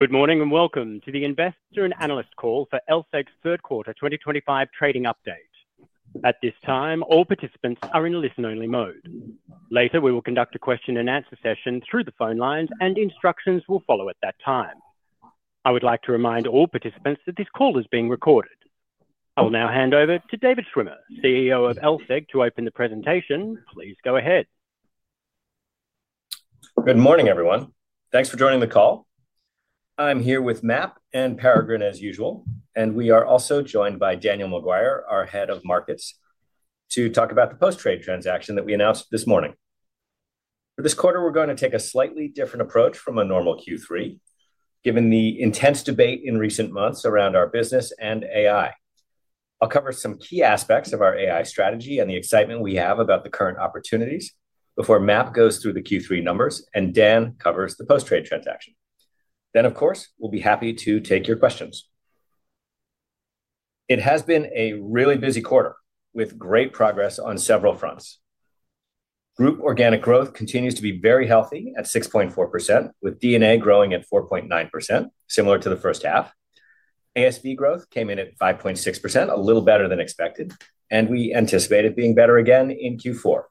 Good morning and welcome to the investor and analyst call for LSEG's third quarter 2025 trading update. At this time, all participants are in listen-only mode. Later, we will conduct a question and answer session through the phone lines, and instructions will follow at that time. I would like to remind all participants that this call is being recorded. I will now hand over to David Schwimmer, CEO of London Stock Exchange Group, to open the presentation. Please go ahead. Good morning, everyone. Thanks for joining the call. I'm here with MAP and Peregrine as usual, and we are also joined by Daniel Maguire, our Head of Markets, to talk about the post-trade transaction that we announced this morning. For this quarter, we're going to take a slightly different approach from a normal Q3, given the intense debate in recent months around our business and AI. I'll cover some key aspects of our AI strategy and the excitement we have about the current opportunities before MAP goes through the Q3 numbers and Dan covers the post-trade transaction. Of course, we'll be happy to take your questions. It has been a really busy quarter with great progress on several fronts. Group organic growth continues to be very healthy at 6.4%, with D&A growing at 4.9%, similar to the first half. ASB growth came in at 5.6%, a little better than expected, and we anticipate it being better again in Q4.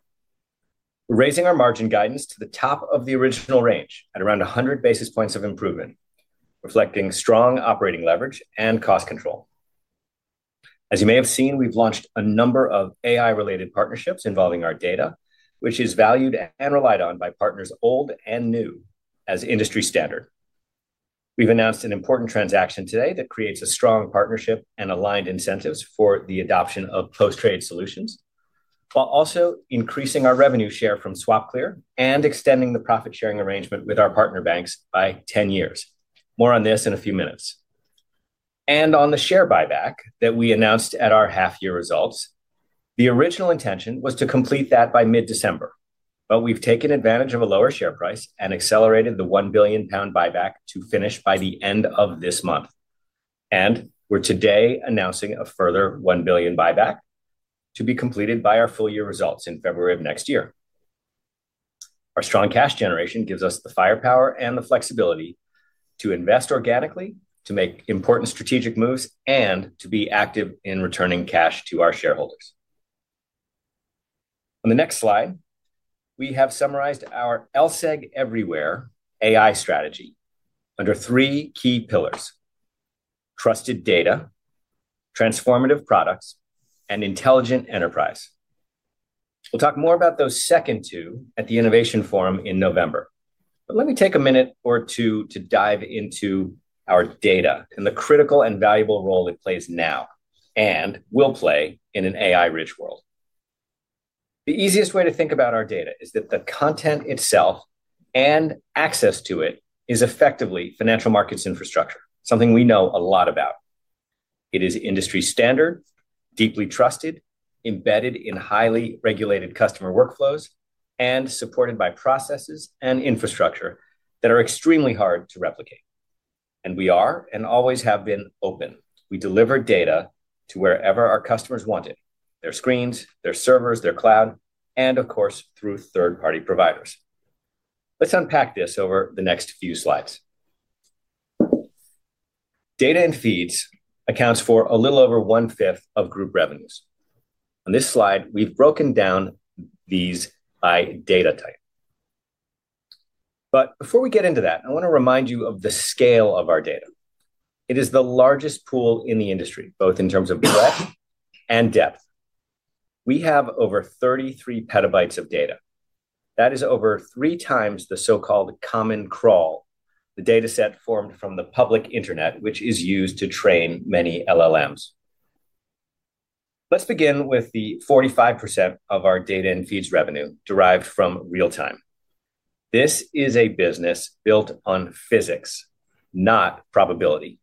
We're raising our margin guidance to the top of the original range at around 100 basis points of improvement, reflecting strong operating leverage and cost control. As you may have seen, we've launched a number of AI-related partnerships involving our data, which is valued and relied on by partners old and new as industry standard. We've announced an important transaction today that creates a strong partnership and aligned incentives for the adoption of post-trade solutions, while also increasing our revenue share from SwapClear and extending the profit-sharing arrangement with our partner banks by 10 years. More on this in a few minutes. On the share buyback that we announced at our half-year results, the original intention was to complete that by mid-December, but we've taken advantage of a lower share price and accelerated the 1 billion pound buyback to finish by the end of this month. We're today announcing a further 1 billion buyback to be completed by our full-year results in February of next year. Our strong cash generation gives us the firepower and the flexibility to invest organically, to make important strategic moves, and to be active in returning cash to our shareholders. On the next slide, we have summarized our LSEG Everywhere AI strategy under three key pillars: trusted data, transformative products, and intelligent enterprise. We'll talk more about those second two at the Innovation Forum in November. Let me take a minute or two to dive into our data and the critical and valuable role it plays now and will play in an AI-rich world. The easiest way to think about our data is that the content itself and access to it is effectively financial markets infrastructure, something we know a lot about. It is industry standard, deeply trusted, embedded in highly regulated customer workflows, and supported by processes and infrastructure that are extremely hard to replicate. We are and always have been open. We deliver data to wherever our customers want it: their screens, their servers, their cloud, and of course, through third-party providers. Let's unpack this over the next few slides. Data and feeds account for a little over one-fifth of group revenues. On this slide, we've broken down these by data type. Before we get into that, I want to remind you of the scale of our data. It is the largest pool in the industry, both in terms of breadth and depth. We have over 33 petabytes of data. That is over three times the so-called common crawl, the dataset formed from the public internet, which is used to train many LLMs. Let's begin with the 45% of our data and feeds revenue derived from real-time. This is a business built on physics, not probability.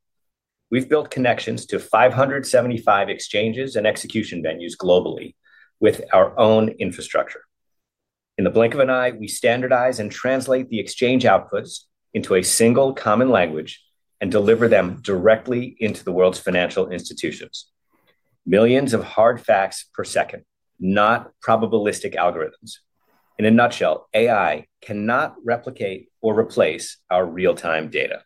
We've built connections to 575 exchanges and execution venues globally with our own infrastructure. In the blink of an eye, we standardize and translate the exchange outputs into a single common language and deliver them directly into the world's financial institutions. Millions of hard facts per second, not probabilistic algorithms. In a nutshell, AI cannot replicate or replace our real-time data.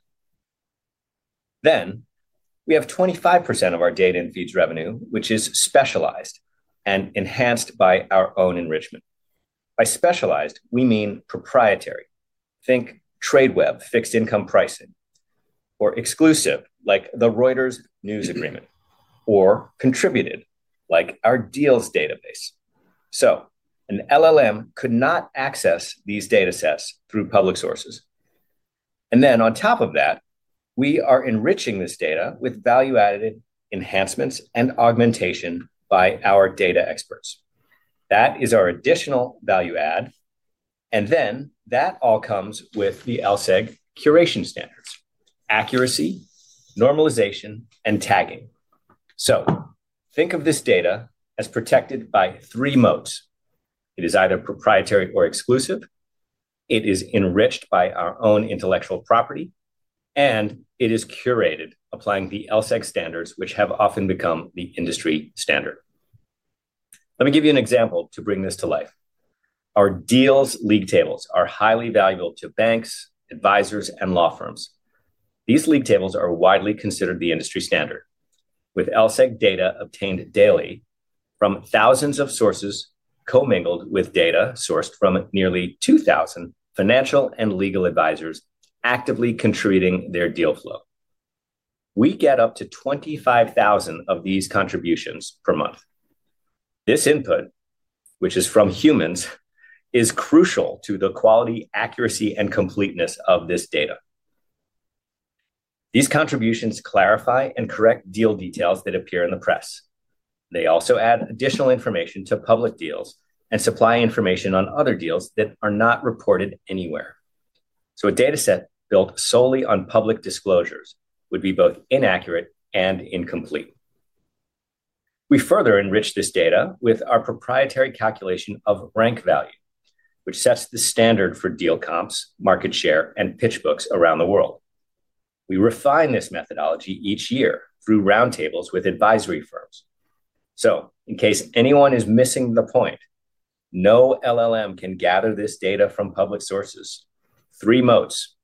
We have 25% of our data and feeds revenue, which is specialized and enhanced by our own enrichment. By specialized, we mean proprietary. Think Tradeweb fixed income pricing or exclusive, like the Reuters News Agreement, or contributed, like our deals database. An LLM could not access these datasets through public sources. On top of that, we are enriching this data with value-added enhancements and augmentation by our data experts. That is our additional value add. That all comes with the LSEG curation standards: accuracy, normalization, and tagging. Think of this data as protected by three modes. It is either proprietary or exclusive. It is enriched by our own intellectual property, and it is curated, applying the LSEG standards, which have often become the industry standard. Let me give you an example to bring this to life. Our deals league tables are highly valuable to banks, advisors, and law firms. These league tables are widely considered the industry standard, with LSEG data obtained daily from thousands of sources commingled with data sourced from nearly 2,000 financial and legal advisors actively contributing their deal flow. We get up to 25,000 of these contributions per month. This input, which is from humans, is crucial to the quality, accuracy, and completeness of this data. These contributions clarify and correct deal details that appear in the press. They also add additional information to public deals and supply information on other deals that are not reported anywhere. A dataset built solely on public disclosures would be both inaccurate and incomplete. We further enrich this data with our proprietary calculation of rank value, which sets the standard for deal comps, market share, and pitch books around the world. We refine this methodology each year through roundtables with advisory firms. In case anyone is missing the point, no LLM can gather this data from public sources. Three modes: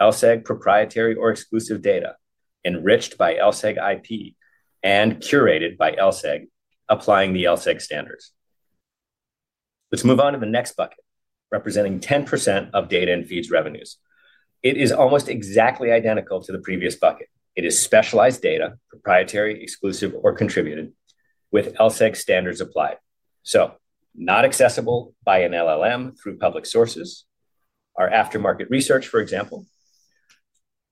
LSEG proprietary or exclusive data, enriched by LSEG IP, and curated by LSEG, applying the LSEG standards. Let's move on to the next bucket, representing 10% of data and feeds revenues. It is almost exactly identical to the previous bucket. It is specialized data, proprietary, exclusive, or contributed, with LSEG standards applied. Not accessible by an LLM through public sources, our aftermarket research, for example.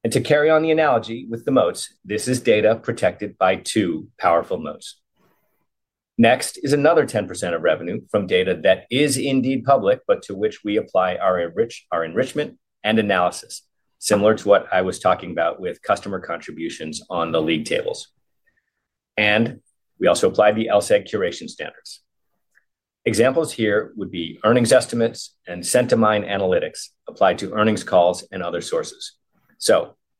To carry on the analogy with the modes, this is data protected by two powerful modes. Next is another 10% of revenue from data that is indeed public, but to which we apply our enrichment and analysis, similar to what I was talking about with customer contributions on the league tables. We also apply the LSEG curation standards. Examples here would be earnings estimates and sentiment analytics applied to earnings calls and other sources.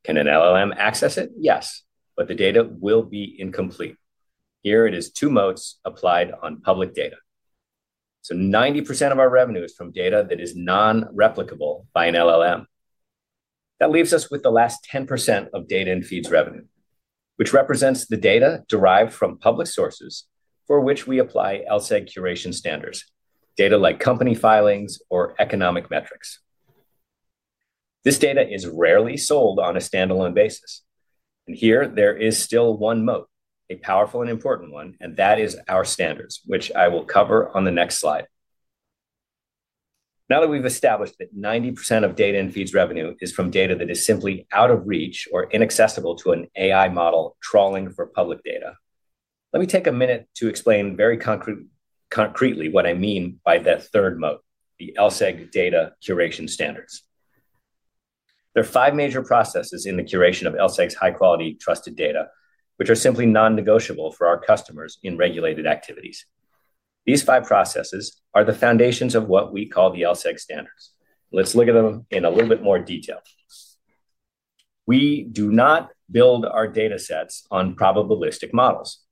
Can an LLM access it? Yes, but the data will be incomplete. Here it is two modes applied on public data. 90% of our revenue is from data that is non-replicable by an LLM. That leaves us with the last 10% of data and feeds revenue, which represents the data derived from public sources for which we apply LSEG curation standards, data like company filings or economic metrics. This data is rarely sold on a standalone basis. There is still one mode, a powerful and important one, and that is our standards, which I will cover on the next slide. Now that we've established that 90% of data and feeds revenue is from data that is simply out of reach or inaccessible to an AI model trawling for public data, let me take a minute to explain very concretely what I mean by the third mode, the LSEG data curation standards. There are five major processes in the curation of LSEG's high-quality trusted data, which are simply non-negotiable for our customers in regulated activities. These five processes are the foundations of what we call the LSEG standards. Let's look at them in a little bit more detail. We do not build our datasets on probabilistic models.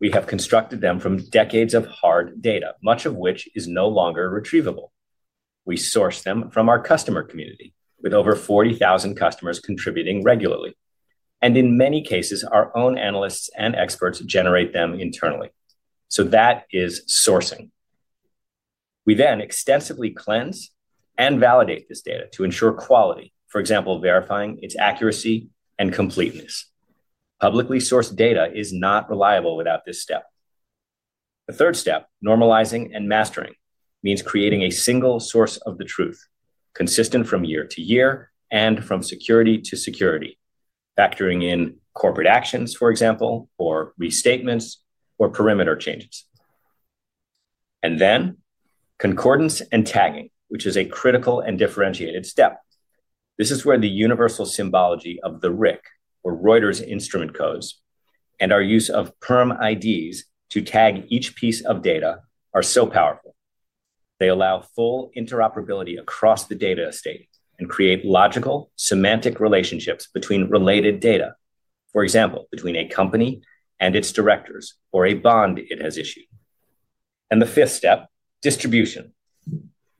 We have constructed them from decades of hard data, much of which is no longer retrievable. We source them from our customer community, with over 40,000 customers contributing regularly. In many cases, our own analysts and experts generate them internally. That is sourcing. We then extensively cleanse and validate this data to ensure quality, for example, verifying its accuracy and completeness. Publicly sourced data is not reliable without this step. The third step, normalizing and mastering, means creating a single source of the truth, consistent from year to year and from security to security, factoring in corporate actions, for example, or restatements or perimeter changes. Concordance and tagging is a critical and differentiated step. This is where the universal symbology of the RIC, or Reuters instrument codes, and our use of perm IDs to tag each piece of data are so powerful. They allow full interoperability across the data estate and create logical semantic relationships between related data, for example, between a company and its directors or a bond it has issued. The fifth step is distribution.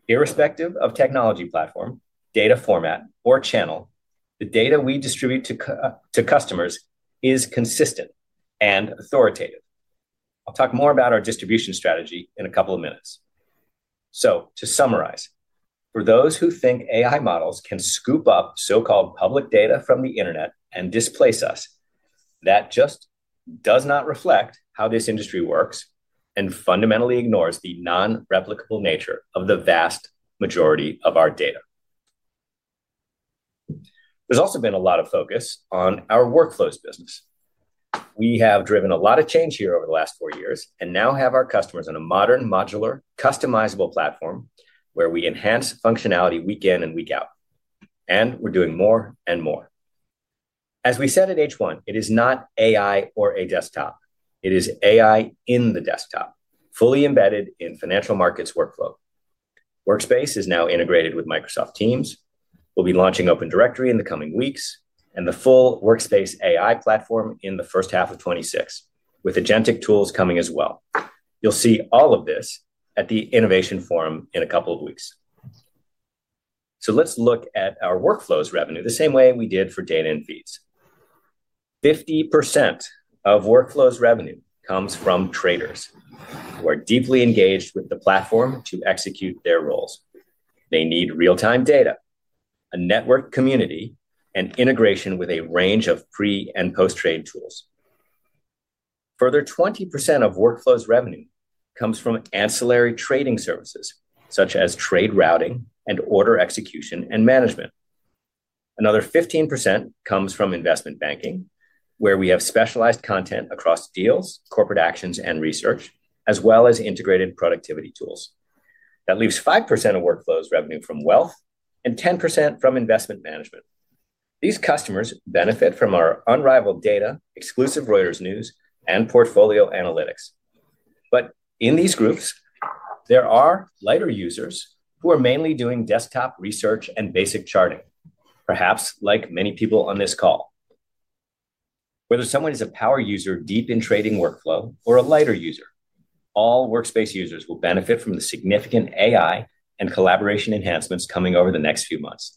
Irrespective of technology platform, data format, or channel, the data we distribute to customers is consistent and authoritative. I'll talk more about our distribution strategy in a couple of minutes. To summarize, for those who think AI models can scoop up so-called public data from the internet and displace us, that just does not reflect how this industry works and fundamentally ignores the non-replicable nature of the vast majority of our data. There has also been a lot of focus on our workflows business. We have driven a lot of change here over the last four years and now have our customers on a modern, modular, customizable platform where we enhance functionality week in and week out. We are doing more and more. As we said at H1, it is not AI or a desktop. It is AI in the desktop, fully embedded in financial markets workflow. Workspace is now integrated with Microsoft Teams. We will be launching Open Directory in the coming weeks and the full Workspace AI platform in the first half of 2026, with agentic tools coming as well. You will see all of this at the Innovation Forum in a couple of weeks. Let's look at our workflows revenue the same way we did for data and feeds. 50% of workflows revenue comes from traders who are deeply engaged with the platform to execute their roles. They need real-time data, a network community, and integration with a range of pre- and post-trade tools. A further 20% of workflows revenue comes from ancillary trading services, such as trade routing and order execution and management. Another 15% comes from investment banking, where we have specialized content across deals, corporate actions, and research, as well as integrated productivity tools. That leaves 5% of workflows revenue from wealth and 10% from investment management. These customers benefit from our unrivaled data, exclusive Reuters news, and portfolio analytics. In these groups, there are lighter users who are mainly doing desktop research and basic charting, perhaps like many people on this call. Whether someone is a power user deep in trading workflow or a lighter user, all Workspace users will benefit from the significant AI and collaboration enhancements coming over the next few months.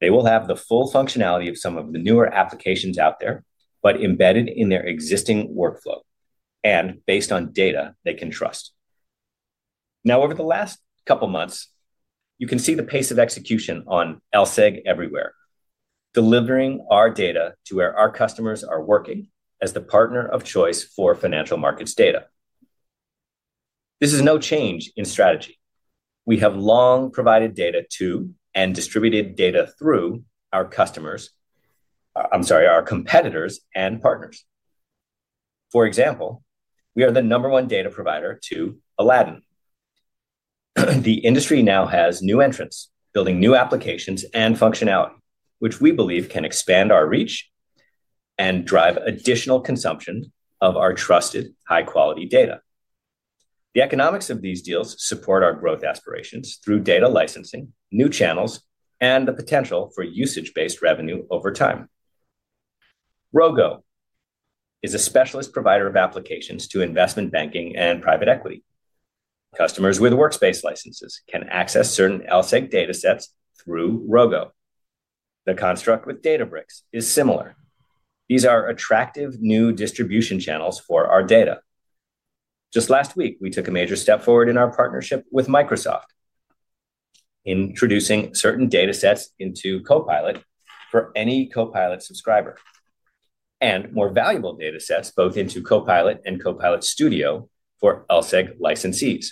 They will have the full functionality of some of the newer applications out there, but embedded in their existing workflow and based on data they can trust. Over the last couple of months, you can see the pace of execution on LSEG Everywhere AI, delivering our data to where our customers are working as the partner of choice for financial markets data. This is no change in strategy. We have long provided data to and distributed data through our competitors and partners. For example, we are the number one data provider to Aladdin. The industry now has new entrants building new applications and functionality, which we believe can expand our reach and drive additional consumption of our trusted high-quality data. The economics of these deals support our growth aspirations through data licensing, new channels, and the potential for usage-based revenue over time. Rogo is a specialist provider of applications to investment banking and private equity. Customers with Workspace licenses can access certain LSEG datasets through Rogo. The construct with Databricks is similar. These are attractive new distribution channels for our data. Just last week, we took a major step forward in our partnership with Microsoft, introducing certain datasets into Copilot for any Copilot subscriber and more valuable datasets both into Copilot and Copilot Studio for LSEG licensees.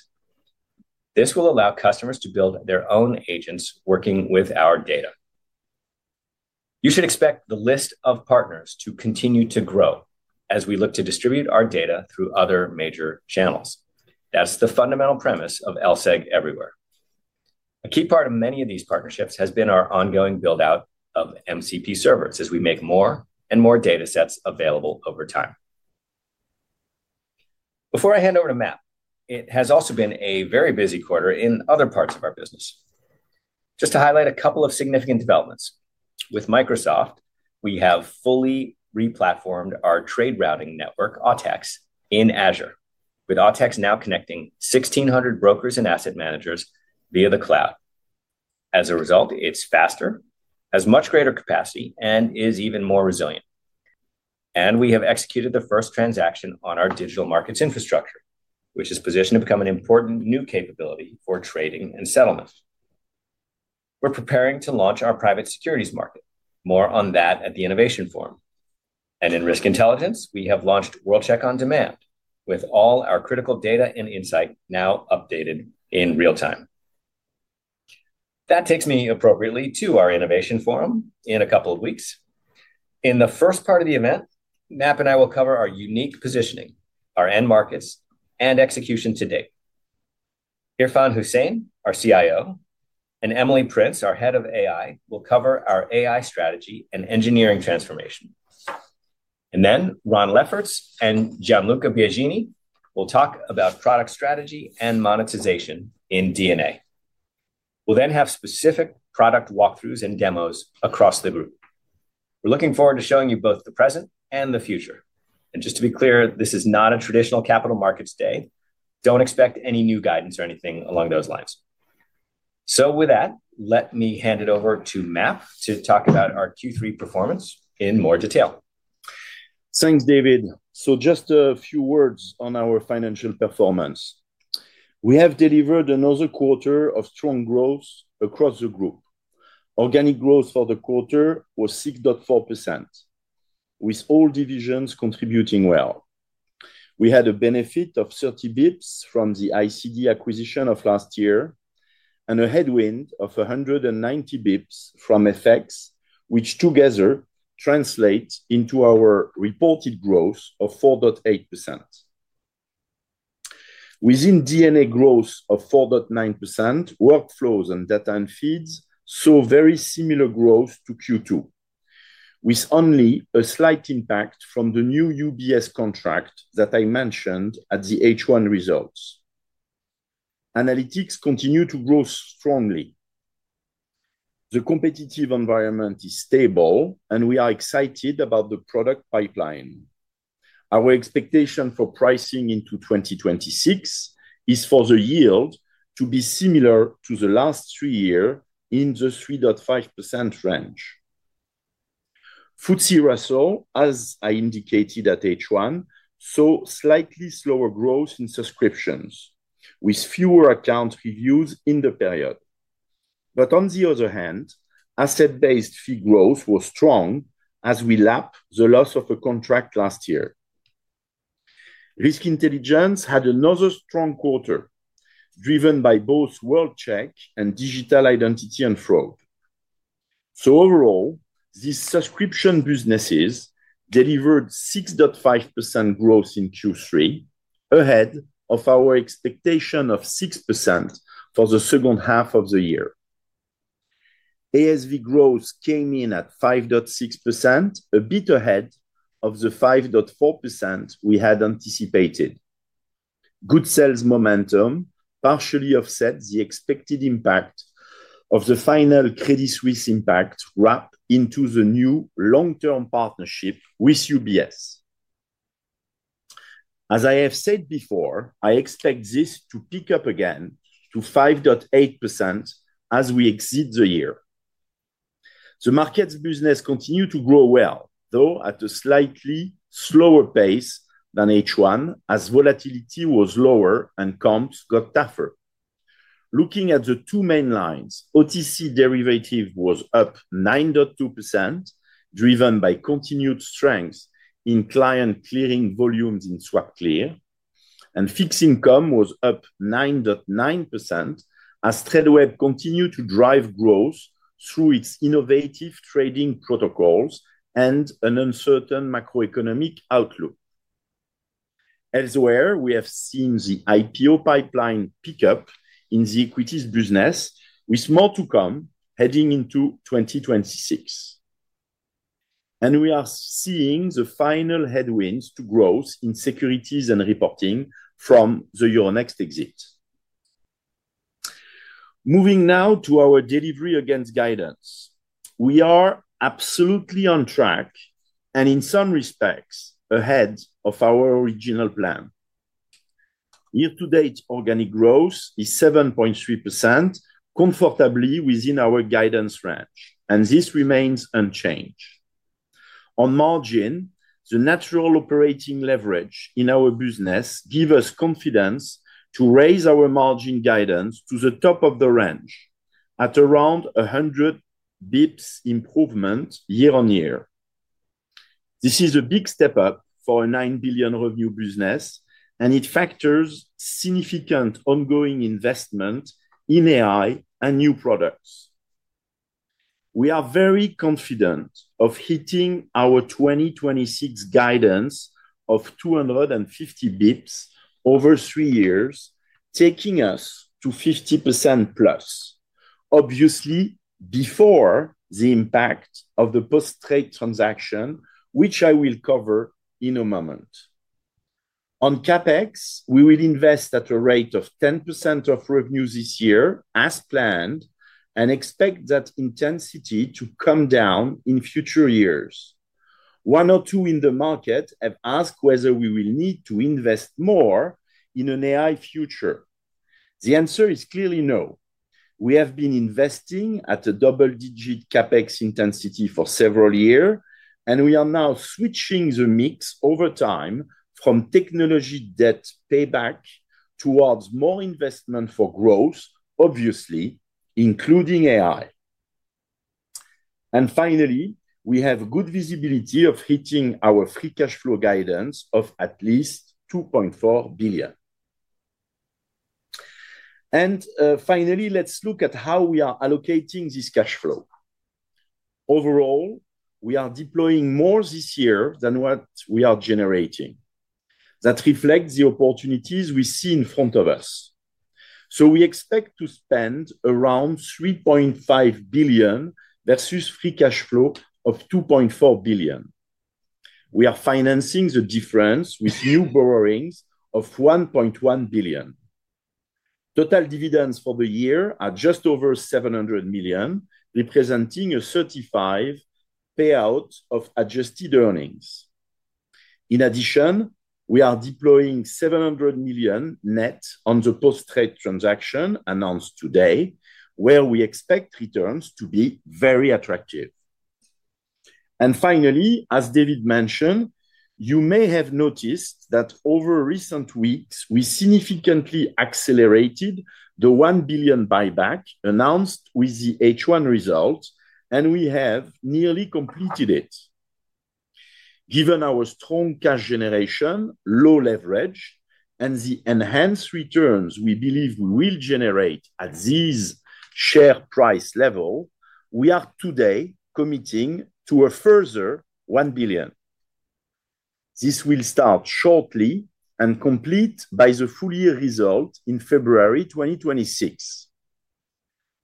This will allow customers to build their own agents working with our data. You should expect the list of partners to continue to grow as we look to distribute our data through other major channels. That's the fundamental premise of LSEG Everywhere. A key part of many of these partnerships has been our ongoing build-out of MCP servers as we make more and more datasets available over time. Before I hand over to MAP, it has also been a very busy quarter in other parts of our business. Just to highlight a couple of significant developments, with Microsoft, we have fully re-platformed our trade routing network, Autex, in Azure, with Autex now connecting 1,600 brokers and asset managers via the cloud. As a result, it's faster, has much greater capacity, and is even more resilient. We have executed the first transaction on our digital markets infrastructure, which is positioned to become an important new capability for trading and settlements. We're preparing to launch our private securities market. More on that at the Innovation Forum. In Risk Intelligence, we have launched WorldCheck On Demand, with all our critical data and insight now updated in real time. That takes me appropriately to our Innovation Forum in a couple of weeks. In the first part of the event, MAP and I will cover our unique positioning, our end markets, and execution to date. Irfan Hussain, our Chief Information Officer, and Emily Prince, our Head of AI, will cover our AI strategy and engineering transformation. Ron Lefferts and Gianluca Biagini will talk about product strategy and monetization in D&A. We'll then have specific product walkthroughs and demos across the group. We're looking forward to showing you both the present and the future. Just to be clear, this is not a traditional Capital Markets day. Don't expect any new guidance or anything along those lines. With that, let me hand it over to MAP to talk about our Q3 performance in more detail. Thanks, David. Just a few words on our financial performance. We have delivered another quarter of strong growth across the group. Organic growth for the quarter was 6.4%, with all divisions contributing well. We had a benefit of 30 bps from the ICD acquisition of last year and a headwind of 190 bps from FX, which together translate into our reported growth of 4.8%. Within D&A, growth of 4.9%, workflows and data and feeds saw very similar growth to Q2, with only a slight impact from the new UBS contract that I mentioned at the H1 results. Analytics continue to grow strongly. The competitive environment is stable, and we are excited about the product pipeline. Our expectation for pricing into 2026 is for the yield to be similar to the last three years in the 3.5% range. FTSE Russell, as I indicated at H1, saw slightly slower growth in subscriptions, with fewer account reviews in the period. On the other hand, asset-based fee growth was strong as we lap the loss of a contract last year. Risk Intelligence had another strong quarter, driven by both WorldCheck and Digital Identity and Fraud. Overall, these subscription businesses delivered 6.5% growth in Q3, ahead of our expectation of 6% for the second half of the year. ASB growth came in at 5.6%, a bit ahead of the 5.4% we had anticipated. Good sales momentum partially offsets the expected impact of the final Credit Suisse impact wrapped into the new long-term partnership with UBS. As I have said before, I expect this to pick up again to 5.8% as we exit the year. The Markets business continued to grow well, though at a slightly slower pace than H1, as volatility was lower and comps got tougher. Looking at the two main lines, OTC derivative was up 9.2%, driven by continued strength in client clearing volumes in SwapClear, and fixed income was up 9.9% as Tradeweb continued to drive growth through its innovative trading protocols and an uncertain macroeconomic outlook. Elsewhere, we have seen the IPO pipeline pick up in the equities business, with more to come heading into 2026. We are seeing the final headwinds to growth in securities and reporting from the Euronext exit. Moving now to our delivery against guidance, we are absolutely on track and in some respects ahead of our original plan. Year-to-date organic growth is 7.3%, comfortably within our guidance range, and this remains unchanged. On margin, the natural operating leverage in our business gives us confidence to raise our margin guidance to the top of the range at around 100 bps improvement year on year. This is a big step up for a $9 billion revenue business, and it factors significant ongoing investment in AI and new products. We are very confident of hitting our 2026 guidance of 250 bps over three years, taking us to 50% plus, obviously before the impact of the post-trade transaction, which I will cover in a moment. On CapEx, we will invest at a rate of 10% of revenue this year as planned and expect that intensity to come down in future years. One or two in the market have asked whether we will need to invest more in an AI future. The answer is clearly no. We have been investing at a double-digit CapEx intensity for several years, and we are now switching the mix over time from technology debt payback towards more investment for growth, obviously including AI. Finally, we have good visibility of hitting our free cash flow guidance of at least $2.4 billion. Let's look at how we are allocating this cash flow. Overall, we are deploying more this year than what we are generating. That reflects the opportunities we see in front of us. We expect to spend around $3.5 billion versus free cash flow of $2.4 billion. We are financing the difference with new borrowings of $1.1 billion. Total dividends for the year are just over $700 million, representing a 35% payout of adjusted earnings. In addition, we are deploying $700 million net on the post-trade transaction announced today, where we expect returns to be very attractive. As David mentioned, you may have noticed that over recent weeks, we significantly accelerated the $1 billion buyback announced with the H1 results, and we have nearly completed it. Given our strong cash generation, low leverage, and the enhanced returns we believe we will generate at this share price level, we are today committing to a further $1 billion. This will start shortly and complete by the full year result in February 2026.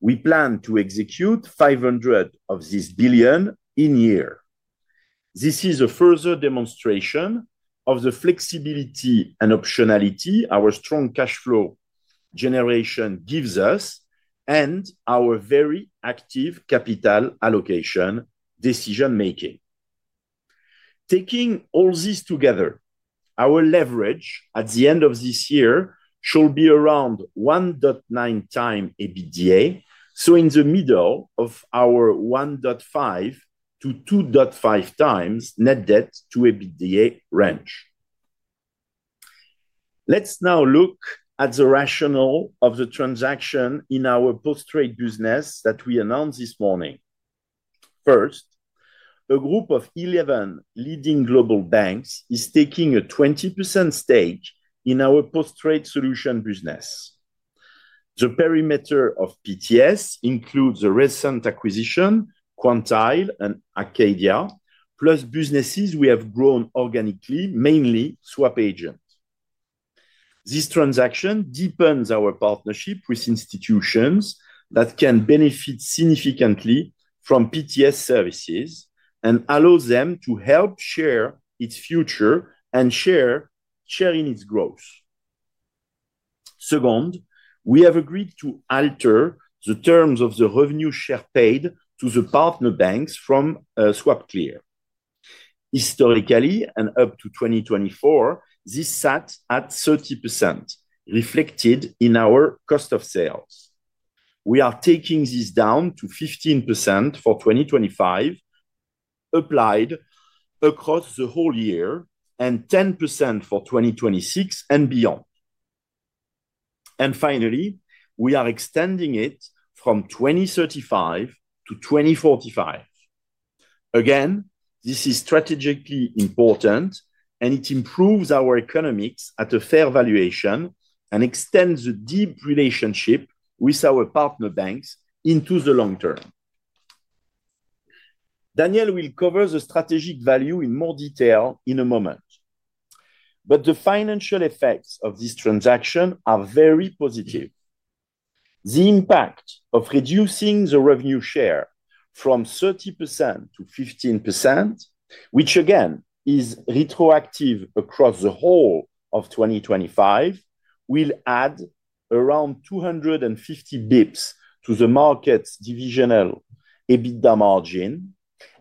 We plan to execute $500 million of this billion in a year. This is a further demonstration of the flexibility and optionality our strong cash flow generation gives us and our very active capital allocation decision-making. Taking all this together, our leverage at the end of this year shall be around 1.9x EBITDA, so in the middle of our 1.5-2.5x net debt to EBITDA range. Let's now look at the rationale of the transaction in our post-trade business that we announced this morning. First, a group of 11 leading global banks is taking a 20% stake in our post-trade solutions business. The perimeter of PTS includes a recent acquisition, Quantile and Arcadia, plus businesses we have grown organically, mainly SwapAgent. This transaction deepens our partnership with institutions that can benefit significantly from PTS services and allows them to help share its future and share in its growth. Second, we have agreed to alter the terms of the revenue share paid to the partner banks from SwapClear. Historically, and up to 2024, this sat at 30%, reflected in our cost of sales. We are taking this down to 15% for 2025, applied across the whole year, and 10% for 2026 and beyond. Finally, we are extending it from 2035 to 2045. Again, this is strategically important, and it improves our economics at a fair valuation and extends a deep relationship with our partner banks into the long term. Daniel will cover the strategic value in more detail in a moment. The financial effects of this transaction are very positive. The impact of reducing the revenue share from 30%-15%, which again is retroactive across the whole of 2025, will add around 250 bps to the Markets divisional EBITDA margin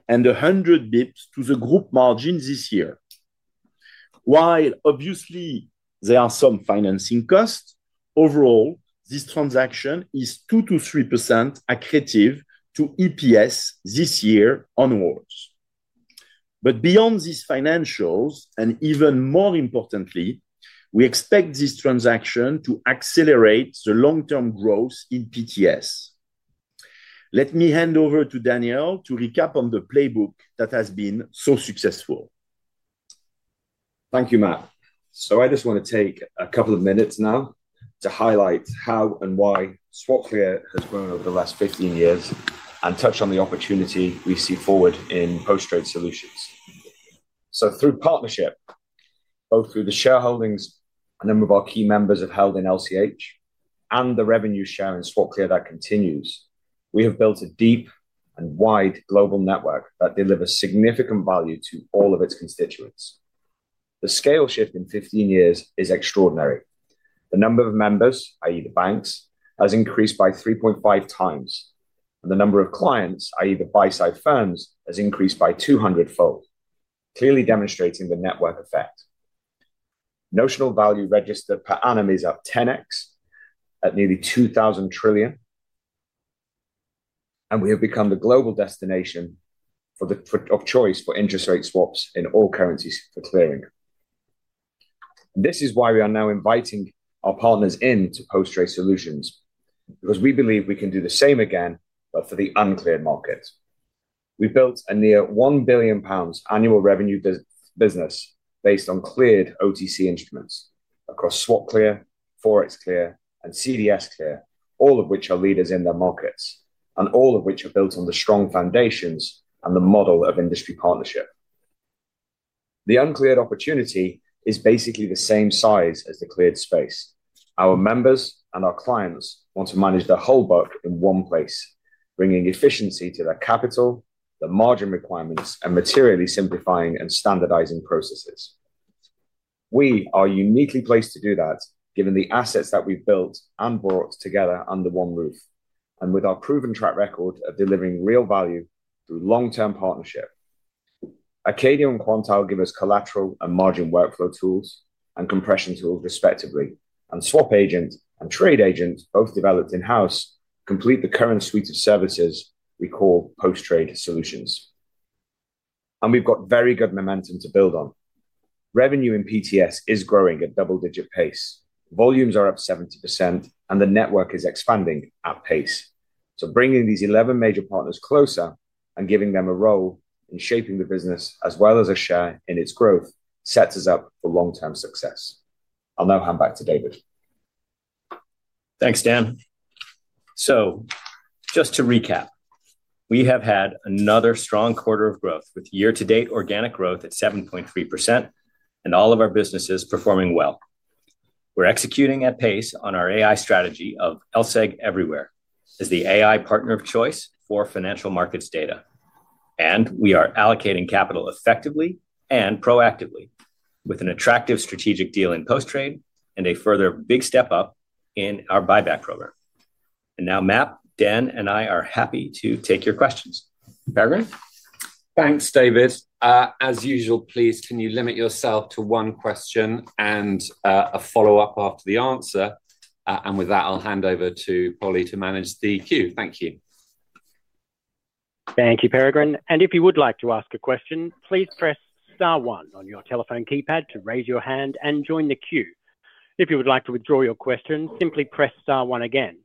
and 100 bps to the group margin this year. While obviously there are some financing costs, overall, this transaction is 2%-3% accretive to EPS this year onwards. Beyond these financials, and even more importantly, we expect this transaction to accelerate the long-term growth in PTS. Let me hand over to Daniel to recap on the playbook that has been so successful. Thank you, MAP. I just want to take a couple of minutes now to highlight how and why SwapClear has grown over the last 15 years and touch on the opportunity we see forward in post-trade solutions. Through partnership, both through the shareholdings a number of our key members have held in LCH and the revenue share in SwapClear that continues, we have built a deep and wide global network that delivers significant value to all of its constituents. The scale shift in 15 years is extraordinary. The number of members, i.e., the banks, has increased by 3.5x, and the number of clients, i.e., the buy-side firms, has increased by 200-fold, clearly demonstrating the network effect. Notional value registered per annum is up 10x at nearly $2,000 trillion, and we have become the global destination of choice for interest rate swaps in all currencies for clearing. This is why we are now inviting our partners into post-trade solutions, because we believe we can do the same again, but for the uncleared markets. We built a near 1 billion pounds annual revenue business based on cleared OTC instruments across SwapClear, ForexClear, and CDS Clear, all of which are leaders in their markets and all of which are built on the strong foundations and the model of industry partnership. The uncleared opportunity is basically the same size as the cleared space. Our members and our clients want to manage their whole book in one place, bringing efficiency to their capital, the margin requirements, and materially simplifying and standardizing processes. We are uniquely placed to do that, given the assets that we've built and brought together under one roof and with our proven track record of delivering real value through long-term partnership. Arcadia and Quantile give us collateral and margin workflow tools and compression tools, respectively, and SwapAgent and TradeAgent, both developed in-house, complete the current suite of services we call post-trade solutions. We have very good momentum to build on. Revenue in PTS is growing at double-digit pace. Volumes are up 70%, and the network is expanding at pace. Bringing these 11 major partners closer and giving them a role in shaping the business as well as a share in its growth sets us up for long-term success. I'll now hand back to David. Thanks, Dan. Just to recap, we have had another strong quarter of growth with year-to-date organic growth at 7.3% and all of our businesses performing well. We're executing at pace on our AI strategy of LSEG Everywhere AI as the AI partner of choice for financial markets data, and we are allocating capital effectively and proactively with an attractive strategic deal in post-trade and a further big step up in our buyback program. MAP, Dan, and I are happy to take your questions. Peregrine? Thanks, David. As usual, please can you limit yourself to one question and a follow-up after the answer? With that, I'll hand over to Polly to manage the queue. Thank you. Thank you, Peregrine. If you would like to ask a question, please press star one on your telephone keypad to raise your hand and join the queue. If you would like to withdraw your question, simply press star one again.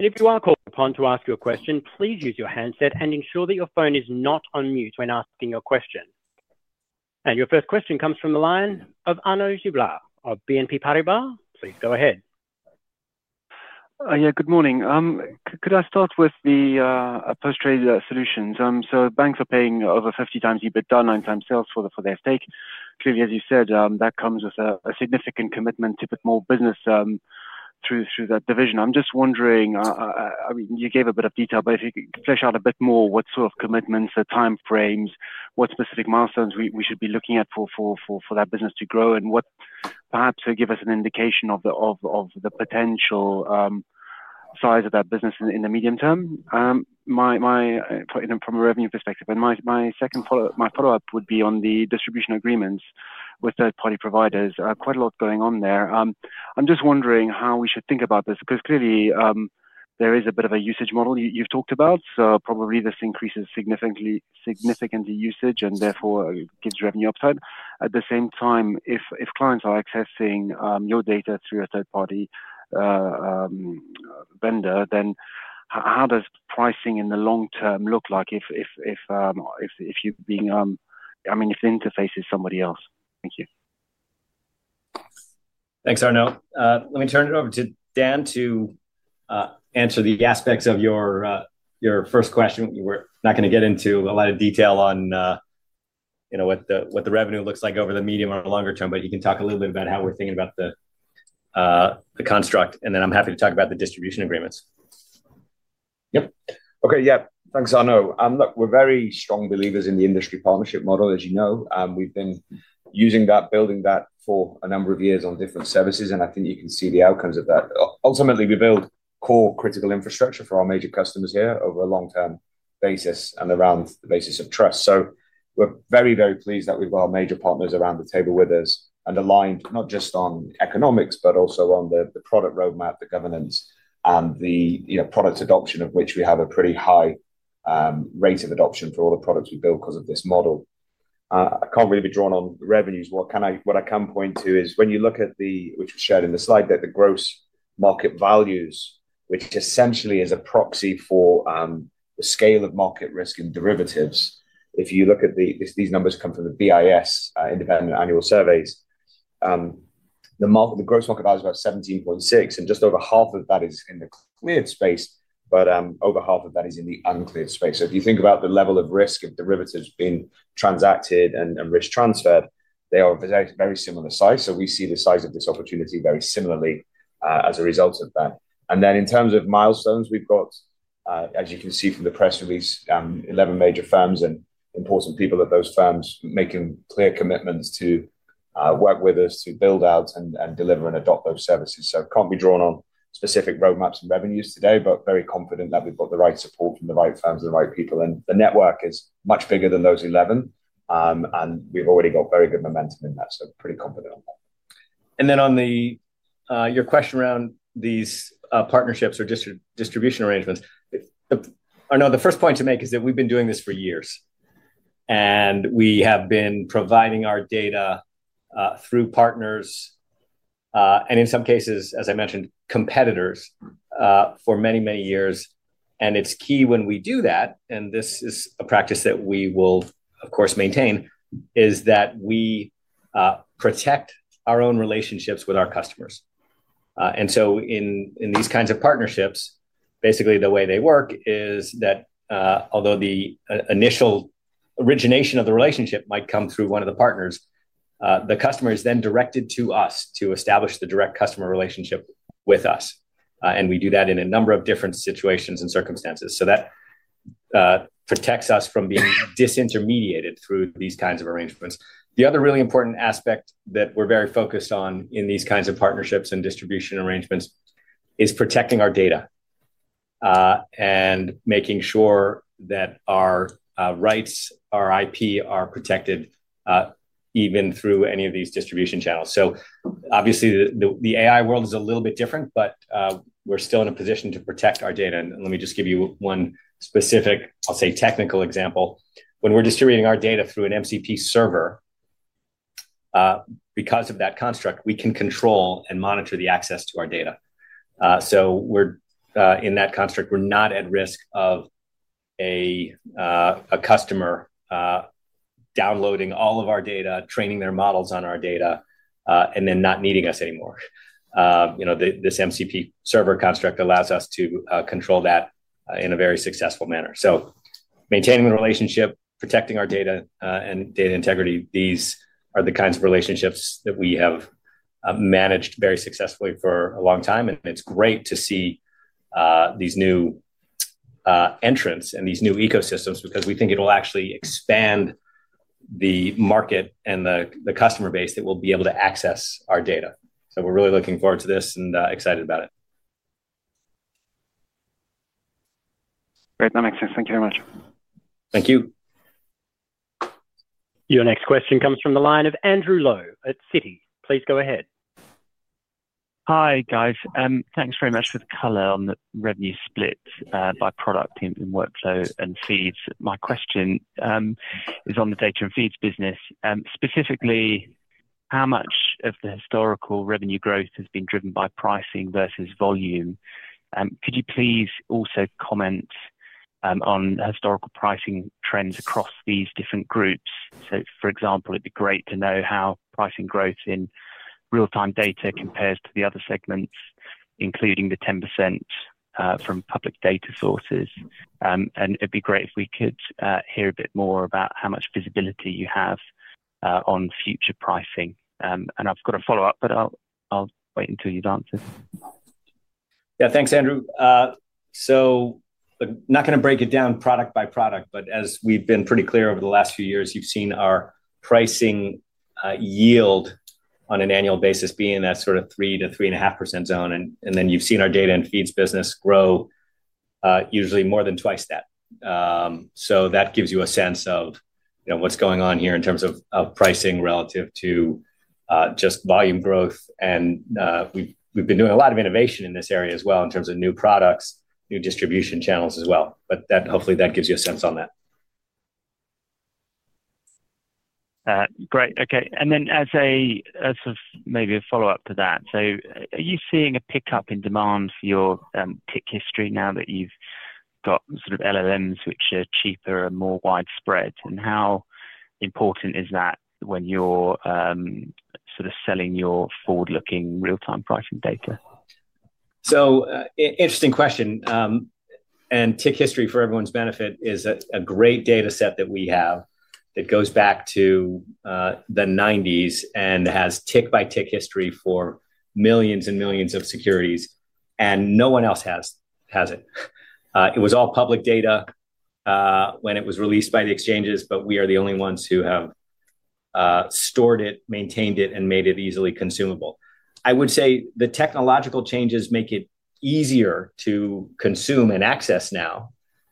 If you are called upon to ask your question, please use your handset and ensure that your phone is not on mute when asking your question. Your first question comes from the line of Anna Kluba of BNP Paribas. Please go ahead. Yeah, good morning. Could I start with the post-trade solutions? Banks are paying over 50x EBITDA, nine times sales for their stake. Clearly, as you said, that comes with a significant commitment to put more business through that division. I'm just wondering, you gave a bit of detail, but if you could flesh out a bit more what sort of commitments, the time frames, what specific milestones we should be looking at for that business to grow, and perhaps give us an indication of the potential size of that business in the medium term from a revenue perspective. My second follow-up would be on the distribution agreements with third-party providers. Quite a lot going on there. I'm just wondering how we should think about this because clearly there is a bit of a usage model you've talked about. Probably this increases significantly usage and therefore gives revenue upside. At the same time, if clients are accessing your data through a third-party vendor, then how does pricing in the long term look like if you're being, I mean, if the interface is somebody else? Thank you. Thanks, Arno. Let me turn it over to Dan to answer the aspects of your first question. We're not going to get into a lot of detail on what the revenue looks like over the medium or longer term, but you can talk a little bit about how we're thinking about the construct, and then I'm happy to talk about the distribution agreements. Okay, yeah. Thanks, Arno. Look, we're very strong believers in the industry partnership model, as you know. We've been using that, building that for a number of years on different services, and I think you can see the outcomes of that. Ultimately, we build core critical infrastructure for our major customers here over a long-term basis and around the basis of trust. We're very, very pleased that we've got our major partners around the table with us and aligned not just on economics, but also on the product roadmap, the governance, and the product adoption, of which we have a pretty high rate of adoption for all the products we build because of this model. I can't really be drawn on revenues. What I can point to is when you look at the, which was shared in the slide, that the gross market values, which essentially is a proxy for the scale of market risk in derivatives, if you look at these numbers come from the BIS independent annual surveys, the gross market value is about $17.6 billion, and just over half of that is in the cleared space, but over half of that is in the uncleared space. If you think about the level of risk of derivatives being transacted and risk transferred, they are of a very similar size. We see the size of this opportunity very similarly as a result of that. In terms of milestones, we've got, as you can see from the press release, 11 major firms and important people at those firms making clear commitments to work with us to build out and deliver and adopt those services. I can't be drawn on specific roadmaps and revenues today, but very confident that we've got the right support from the right firms and the right people, and the network is much bigger than those 11, and we've already got very good momentum in that. Pretty confident on that. On your question around these partnerships or distribution arrangements, the first point to make is that we've been doing this for years, and we have been providing our data through partners and in some cases, as I mentioned, competitors, for many, many years. It is key when we do that, and this is a practice that we will, of course, maintain, that we protect our own relationships with our customers. In these kinds of partnerships, basically the way they work is that although the initial origination of the relationship might come through one of the partners, the customer is then directed to us to establish the direct customer relationship with us. We do that in a number of different situations and circumstances. That protects us from being disintermediated through these kinds of arrangements. The other really important aspect that we're very focused on in these kinds of partnerships and distribution arrangements is protecting our data and making sure that our rights, our IP, are protected even through any of these distribution channels. Obviously, the AI world is a little bit different, but we're still in a position to protect our data. Let me just give you one specific, I'll say technical, example. When we're distributing our data through an MCP server, because of that construct, we can control and monitor the access to our data. In that construct, we're not at risk of a customer downloading all of our data, training their models on our data, and then not needing us anymore. This MCP server construct allows us to control that in a very successful manner. Maintaining the relationship, protecting our data and data integrity, these are the kinds of relationships that we have managed very successfully for a long time. It is great to see these new entrants and these new ecosystems because we think it will actually expand the market and the customer base that will be able to access our data. We are really looking forward to this and excited about it. Great, that makes sense. Thank you very much. Thank you. Your next question comes from the line of Andrew Lowe at Citi. Please go ahead. Hi, guys. Thanks very much for the color on the revenue split by product in workflow and feeds. My question is on the Data & Analytics and feeds business. Specifically, how much of the historical revenue growth has been driven by pricing versus volume? Could you please also comment on historical pricing trends across these different groups? For example, it'd be great to know how pricing growth in real-time data compares to the other segments, including the 10% from public data sources. It'd be great if we could hear a bit more about how much visibility you have on future pricing. I've got a follow-up, but I'll wait until you've answered. Yeah, thanks, Andrew. I'm not going to break it down product by product, but as we've been pretty clear over the last few years, you've seen our pricing yield on an annual basis be in that sort of 3%-3.5% zone. You've seen our data and feeds business grow usually more than twice that. That gives you a sense of what's going on here in terms of pricing relative to just volume growth. We've been doing a lot of innovation in this area as well in terms of new products and new distribution channels as well. Hopefully, that gives you a sense on that. Great, okay. As a sort of maybe a follow-up to that, are you seeing a pickup in demand for your tick history now that you've got sort of LLMs which are cheaper and more widespread? How important is that when you're sort of selling your forward-looking real-time pricing data? Interesting question. Tick history, for everyone's benefit, is a great data set that we have that goes back to the 1990s and has tick-by-tick history for millions and millions of securities, and no one else has it. It was all public data when it was released by the exchanges, but we are the only ones who have stored it, maintained it, and made it easily consumable. I would say the technological changes make it easier to consume and access now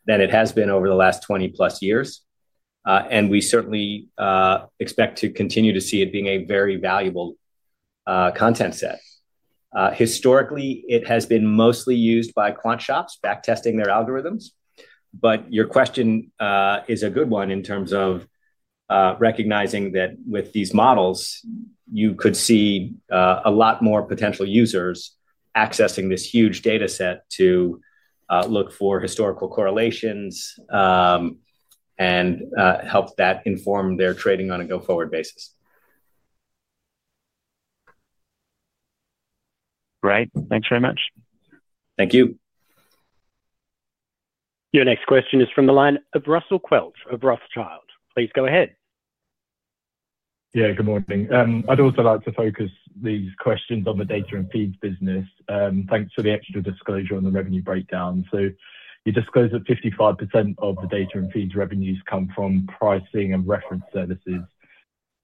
than it has been over the last 20+ years. We certainly expect to continue to see it being a very valuable content set. Historically, it has been mostly used by quant shops backtesting their algorithms. Your question is a good one in terms of recognizing that with these models, you could see a lot more potential users accessing this huge data set to look for historical correlations and help that inform their trading on a go-forward basis. Great, thanks very much. Thank you. Your next question is from the line of Russell Quelch of Rothschild, please go ahead. Good morning. I'd also like to focus these questions on the Data & Analytics business. Thanks for the extra disclosure on the revenue breakdown. You disclosed that 55% of the data and feeds revenues come from pricing and reference services.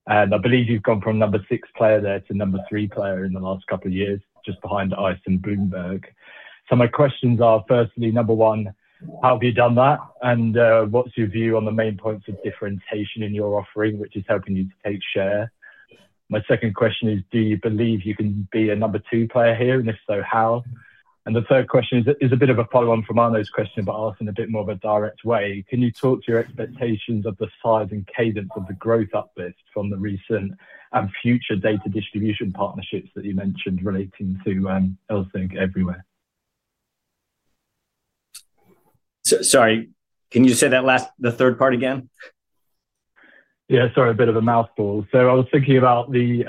I believe you've gone from number six player there to number three player in the last couple of years, just behind ICE and Bloomberg. My questions are, firstly, number one, how have you done that? What's your view on the main points of differentiation in your offering, which is helping you to take share? My second question is, do you believe you can be a number two player here? If so, how? The third question is a bit of a follow-on from Arno's question, but asked in a bit more of a direct way. Can you talk to your expectations of the size and cadence of the growth uplift from the recent and future data distribution partnerships that you mentioned relating to LSEG Everywhere AI? Sorry, can you say that last, the third part again? Sorry, a bit of a mouthful. I was thinking about the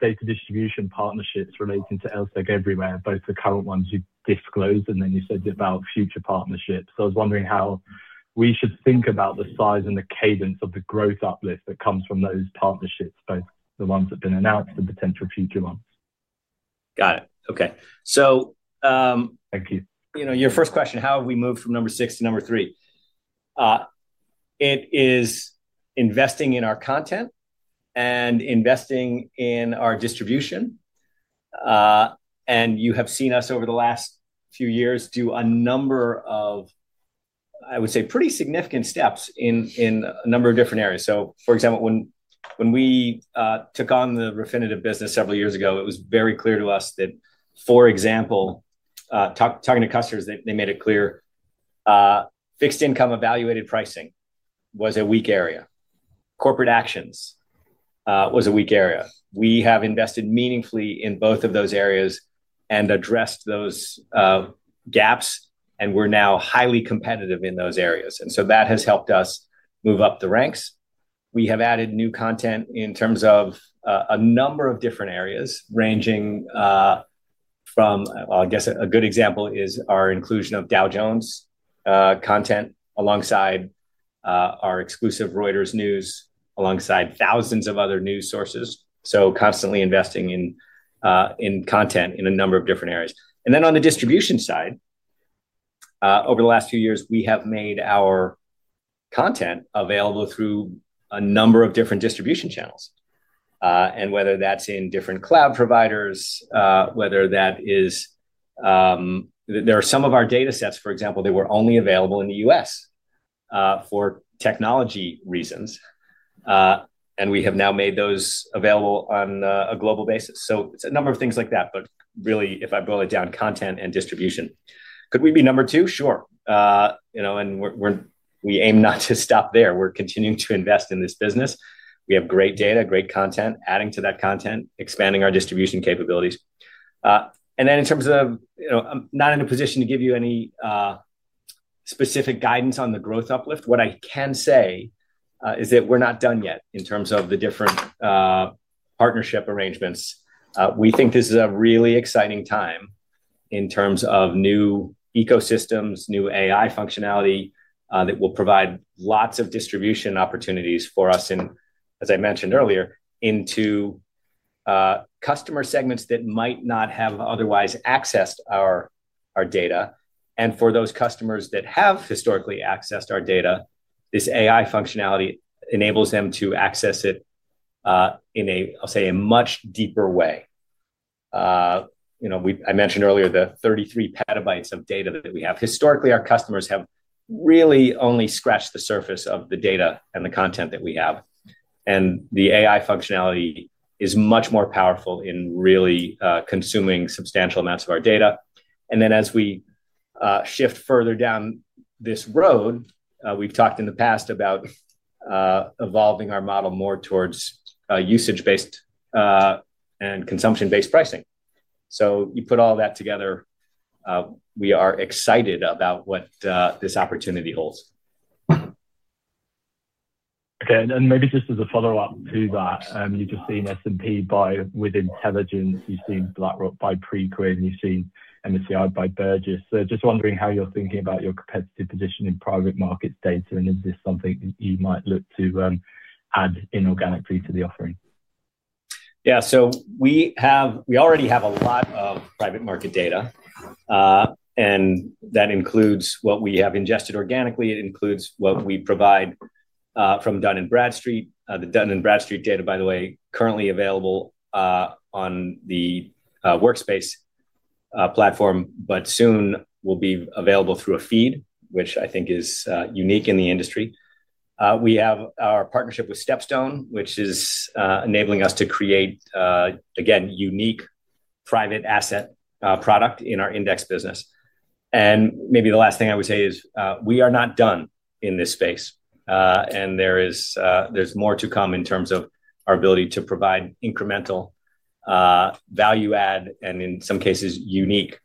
data distribution partnerships relating to LSEG Everywhere, both the current ones you disclosed, and then you said about future partnerships. I was wondering how we should think about the size and the cadence of the growth uplift that comes from those partnerships, both the ones that have been announced and potential future ones. Got it, okay. Your first question, how have we moved from number six to number three? It is investing in our content and investing in our distribution. You have seen us over the last few years do a number of, I would say, pretty significant steps in a number of different areas. For example, when we took on the Refinitiv business several years ago, it was very clear to us that, for example, talking to customers, they made it clear fixed income evaluated pricing was a weak area. Corporate actions was a weak area. We have invested meaningfully in both of those areas and addressed those gaps, and we're now highly competitive in those areas. That has helped us move up the ranks. We have added new content in terms of a number of different areas ranging from, I guess a good example is our inclusion of Dow Jones content alongside our exclusive Reuters news, alongside thousands of other news sources. We are constantly investing in content in a number of different areas. On the distribution side, over the last few years, we have made our content available through a number of different distribution channels. Whether that's in different cloud providers, whether that is, there are some of our data sets, for example, they were only available in the U.S. for technology reasons, and we have now made those available on a global basis. It is a number of things like that, but really, if I boil it down, content and distribution. Could we be number two? Sure. We aim not to stop there. We're continuing to invest in this business. We have great data, great content, adding to that content, expanding our distribution capabilities. In terms of, I'm not in a position to give you any specific guidance on the growth uplift. What I can say is that we're not done yet in terms of the different partnership arrangements. We think this is a really exciting time in terms of new ecosystems, new AI functionality that will provide lots of distribution opportunities for us. As I mentioned earlier, into customer segments that might not have otherwise accessed our data. For those customers that have historically accessed our data, this AI functionality enables them to access it in a, I'll say, a much deeper way. I mentioned earlier the 33 petabytes of data that we have. Historically, our customers have really only scratched the surface of the data and the content that we have. The AI functionality is much more powerful in really consuming substantial amounts of our data. As we shift further down this road, we've talked in the past about evolving our model more towards usage-based and consumption-based pricing. You put all that together, we are excited about what this opportunity holds. Okay, maybe just as a follow-up to that, you've just seen S&P buy With Intelligence, you've seen BlackRock buy Preqin, you've seen MSCI buy Burgiss. I'm just wondering how you're thinking about your competitive position in private markets data, and is this something that you might look to add inorganically to the offering? Yeah, we already have a lot of private market data, and that includes what we have ingested organically. It includes what we provide from Dun & Bradstreet. The Dun & Bradstreet data, by the way, is currently available on the Workspace platform, but soon will be available through a feed, which I think is unique in the industry. We have our partnership with Stepstone, which is enabling us to create, again, unique private asset product in our index business. Maybe the last thing I would say is we are not done in this space, and there's more to come in terms of our ability to provide incremental value add and, in some cases, unique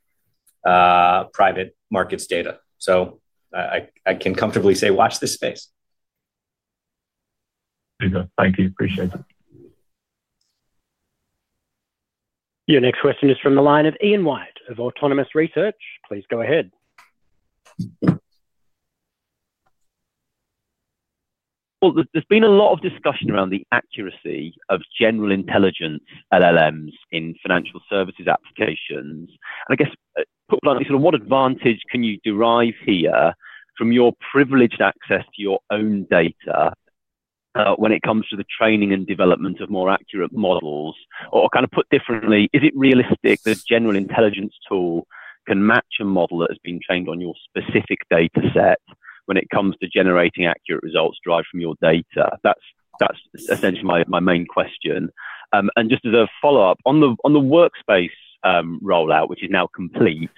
private markets data. I can comfortably say watch this space. Very good. Thank you. Appreciate it. Your next question is from the line of Ian White of Autonomous Research. Please go ahead. There has been a lot of discussion around the accuracy of general intelligence LLMs in financial services applications. I guess, put bluntly, what advantage can you derive here from your privileged access to your own data when it comes to the training and development of more accurate models? Or, put differently, is it realistic that a general intelligence tool can match a model that has been trained on your specific data set when it comes to generating accurate results derived from your data? That's essentially my main question. Just as a follow-up, on the Workspace rollout, which is now complete,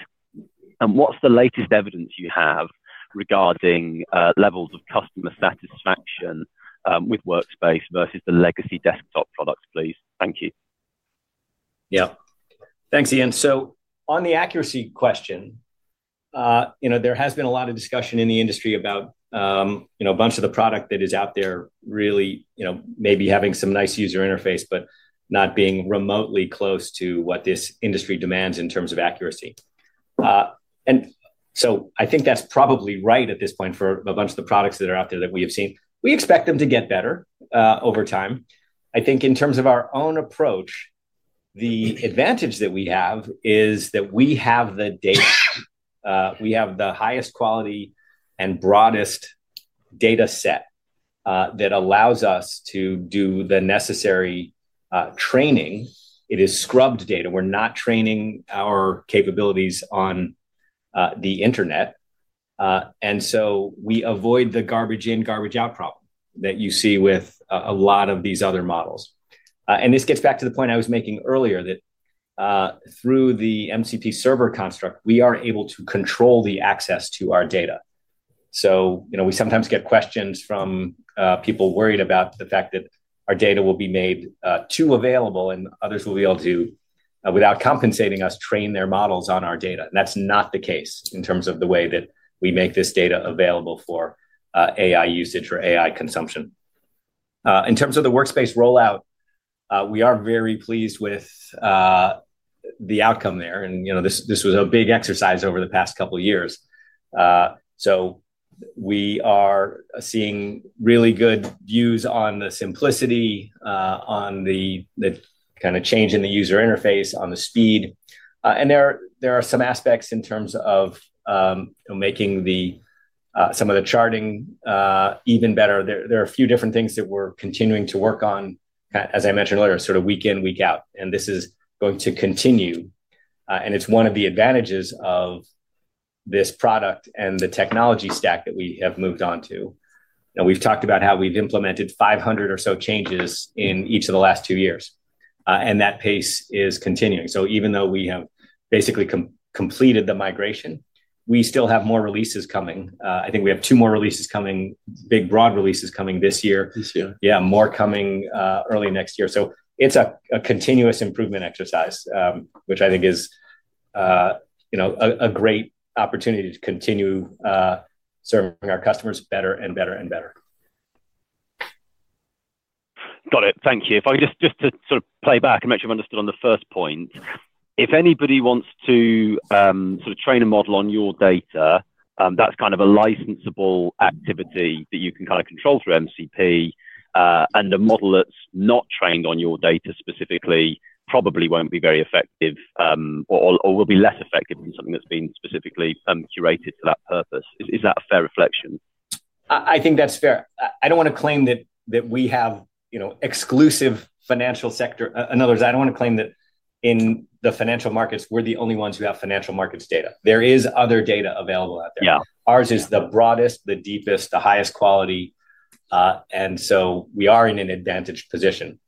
what's the latest evidence you have regarding levels of customer satisfaction with Workspace versus the legacy desktop products, please? Thank you. Yeah, thanks, Ian. On the accuracy question, there has been a lot of discussion in the industry about a bunch of the product that is out there really maybe having some nice user interface, but not being remotely close to what this industry demands in terms of accuracy. I think that's probably right at this point for a bunch of the products that are out there that we have seen. We expect them to get better over time. I think in terms of our own approach, the advantage that we have is that we have the data. We have the highest quality and broadest data set that allows us to do the necessary training. It is scrubbed data. We're not training our capabilities on the internet. We avoid the garbage in, garbage out problem that you see with a lot of these other models. This gets back to the point I was making earlier that through the MCP server construct, we are able to control the access to our data. We sometimes get questions from people worried about the fact that our data will be made too available and others will be able to, without compensating us, train their models on our data. That's not the case in terms of the way that we make this data available for AI usage or AI consumption. In terms of the Workspace rollout, we are very pleased with the outcome there. This was a big exercise over the past couple of years. We are seeing really good views on the simplicity, on the kind of change in the user interface, on the speed. There are some aspects in terms of making some of the charting even better. There are a few different things that we're continuing to work on, as I mentioned earlier, sort of week in, week out. This is going to continue. It's one of the advantages of this product and the technology stack that we have moved on to. We've talked about how we've implemented 500 or so changes in each of the last two years, and that pace is continuing. Even though we have basically completed the migration, we still have more releases coming. I think we have two more releases coming, big broad releases coming this year. This year. Yeah, more coming early next year. It is a continuous improvement exercise, which I think is a great opportunity to continue serving our customers better and better and better. Got it. Thank you. If I could just play back and make sure I'm understood on the first point, if anybody wants to train a model on your data, that's a licensable activity that you can control through MCP. A model that's not trained on your data specifically probably won't be very effective or will be less effective than something that's been specifically curated for that purpose. Is that a fair reflection? I think that's fair. I don't want to claim that we have exclusive financial sector. In other words, I don't want to claim that in the financial markets, we're the only ones who have financial markets data. There is other data available out there. Ours is the broadest, the deepest, the highest quality, and we are in an advantaged position.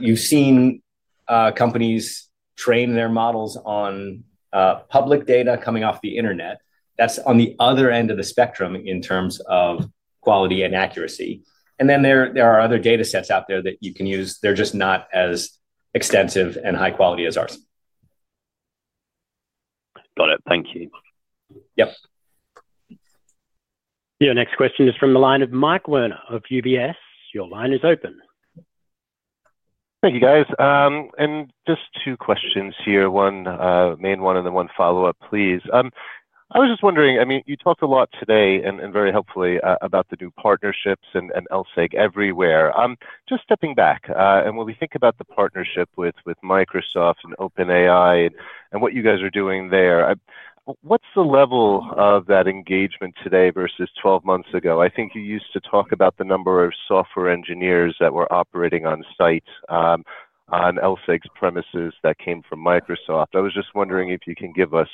You've seen companies train their models on public data coming off the internet. That's on the other end of the spectrum in terms of quality and accuracy. There are other data sets out there that you can use. They're just not as extensive and high quality as ours. Got it. Thank you. Yep. Your next question is from the line of Michael Werner of UBS. Your line is open. Thank you, guys. Just two questions here, one main one and then one follow-up, please. I was just wondering, I mean, you talked a lot today and very helpfully about the new partnerships and LSEG Everywhere AI. Just stepping back, and when we think about the partnership with Microsoft and OpenAI and what you guys are doing there, what's the level of that engagement today versus 12 months ago? I think you used to talk about the number of software engineers that were operating on site on LSEG's premises that came from Microsoft. I was just wondering if you can give us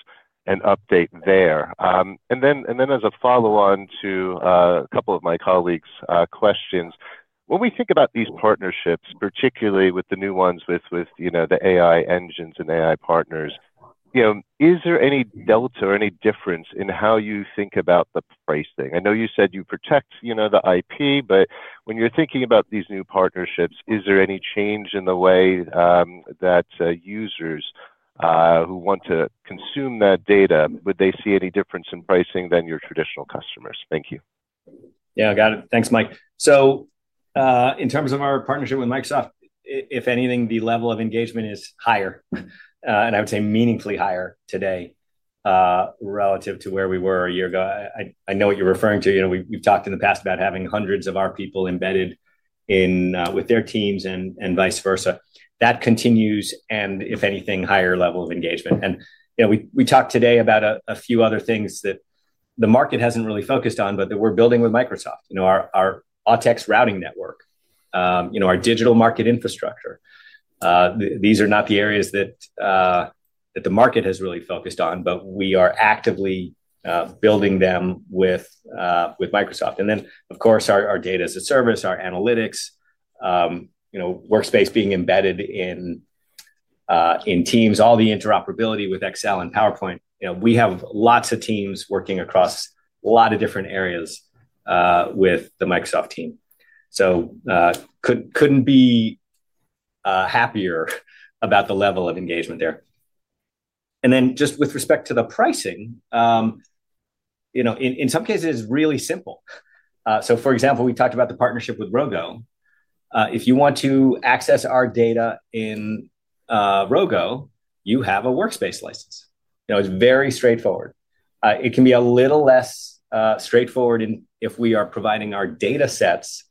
an update there. As a follow-on to a couple of my colleagues' questions, when we think about these partnerships, particularly with the new ones with the AI engines and AI partners, is there any delta or any difference in how you think about the pricing? I know you said you protect the IP, but when you're thinking about these new partnerships, is there any change in the way that users who want to consume that data, would they see any difference in pricing than your traditional customers? Thank you. Yeah, got it. Thanks, Mike. In terms of our partnership with Microsoft, if anything, the level of engagement is higher, and I would say meaningfully higher today relative to where we were a year ago. I know what you're referring to. We've talked in the past about having hundreds of our people embedded with their teams and vice versa. That continues, and if anything, a higher level of engagement. We talked today about a few other things that the market hasn't really focused on, but that we're building with Microsoft. Our AUTEX routing network, our digital market infrastructure, these are not the areas that the market has really focused on, but we are actively building them with Microsoft. Of course, our data as a service, our analytics, Workspace being embedded in Teams, all the interoperability with Excel and PowerPoint. We have lots of teams working across a lot of different areas with the Microsoft team. Couldn't be happier about the level of engagement there. Just with respect to the pricing, in some cases, it's really simple. For example, we talked about the partnership with Rogo. If you want to access our data in Rogo, you have a Workspace license. It's very straightforward. It can be a little less straightforward if we are providing our data sets,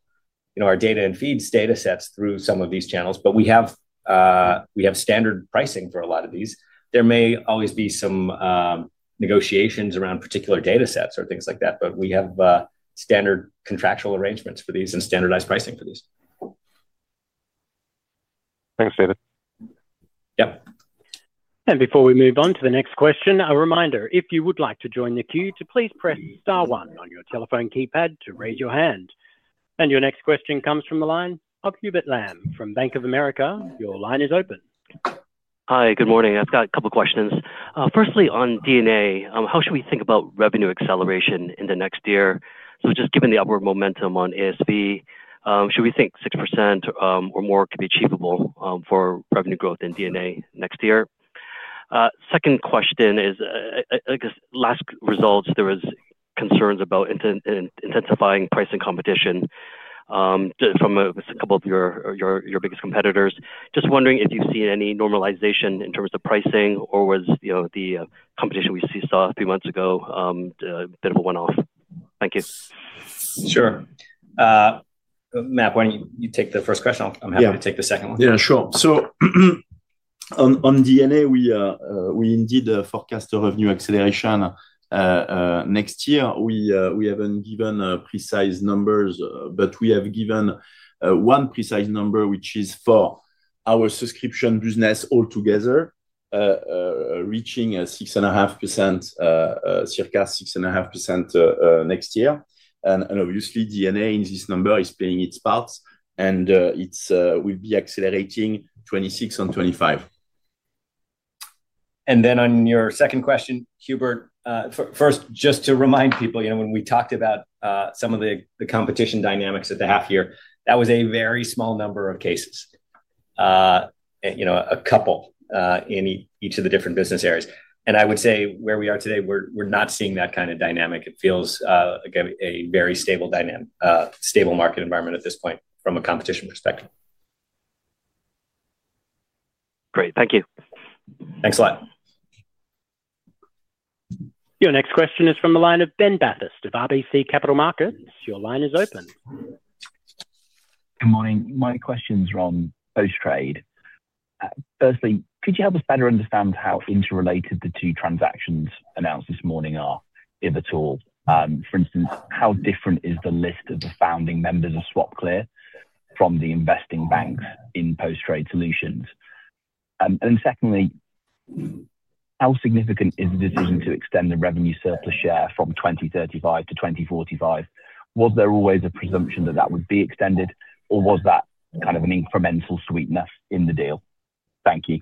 our data and feeds data sets through some of these channels, but we have standard pricing for a lot of these. There may always be some negotiations around particular data sets or things like that, but we have standard contractual arrangements for these and standardized pricing for these. Thanks, David. Yep. Before we move on to the next question, a reminder, if you would like to join the queue, please press star one on your telephone keypad to raise your hand. Your next question comes from the line of Hubert Lam from Bank of America. Your line is open. Hi, good morning. I've got a couple of questions. Firstly, on D&A, how should we think about revenue acceleration in the next year? Just given the upward momentum on ASB, should we think 6% or more could be achievable for revenue growth in D&A next year? Second question is, I guess last results, there were concerns about intensifying pricing competition from a couple of your biggest competitors. Just wondering if you've seen any normalization in terms of pricing or was the competition we saw a few months ago a bit of a one-off? Thank you. Anna Olive Manz, why don't you take the first question? I'm happy to take the second one. Yeah, sure. On D&A, we indeed forecast revenue acceleration next year. We haven't given precise numbers, but we have given one precise number, which is for our subscription business altogether, reaching 6.5%, circa 6.5% next year. D&A in this number is playing its part, and it will be accelerating 26% on 25%. On your second question, Hubert, first, just to remind people, when we talked about some of the competition dynamics that they have here, that was a very small number of cases, a couple in each of the different business areas. I would say where we are today, we're not seeing that kind of dynamic. It feels like a very stable market environment at this point from a competition perspective. Great, thank you. Thanks a lot. Your next question is from the line of Ben Bathurst of RBC Capital Markets. Your line is open. Good morning. My question's on post-trade. Firstly, could you help us better understand how interrelated the two transactions announced this morning are, if at all? For instance, how different is the list of the founding members of SwapClear from the investing banks in post-trade solutions? Secondly, how significant is the decision to extend the revenue surplus share from 2035-2045? Was there always a presumption that that would be extended, or was that kind of an incremental sweetness in the deal? Thank you.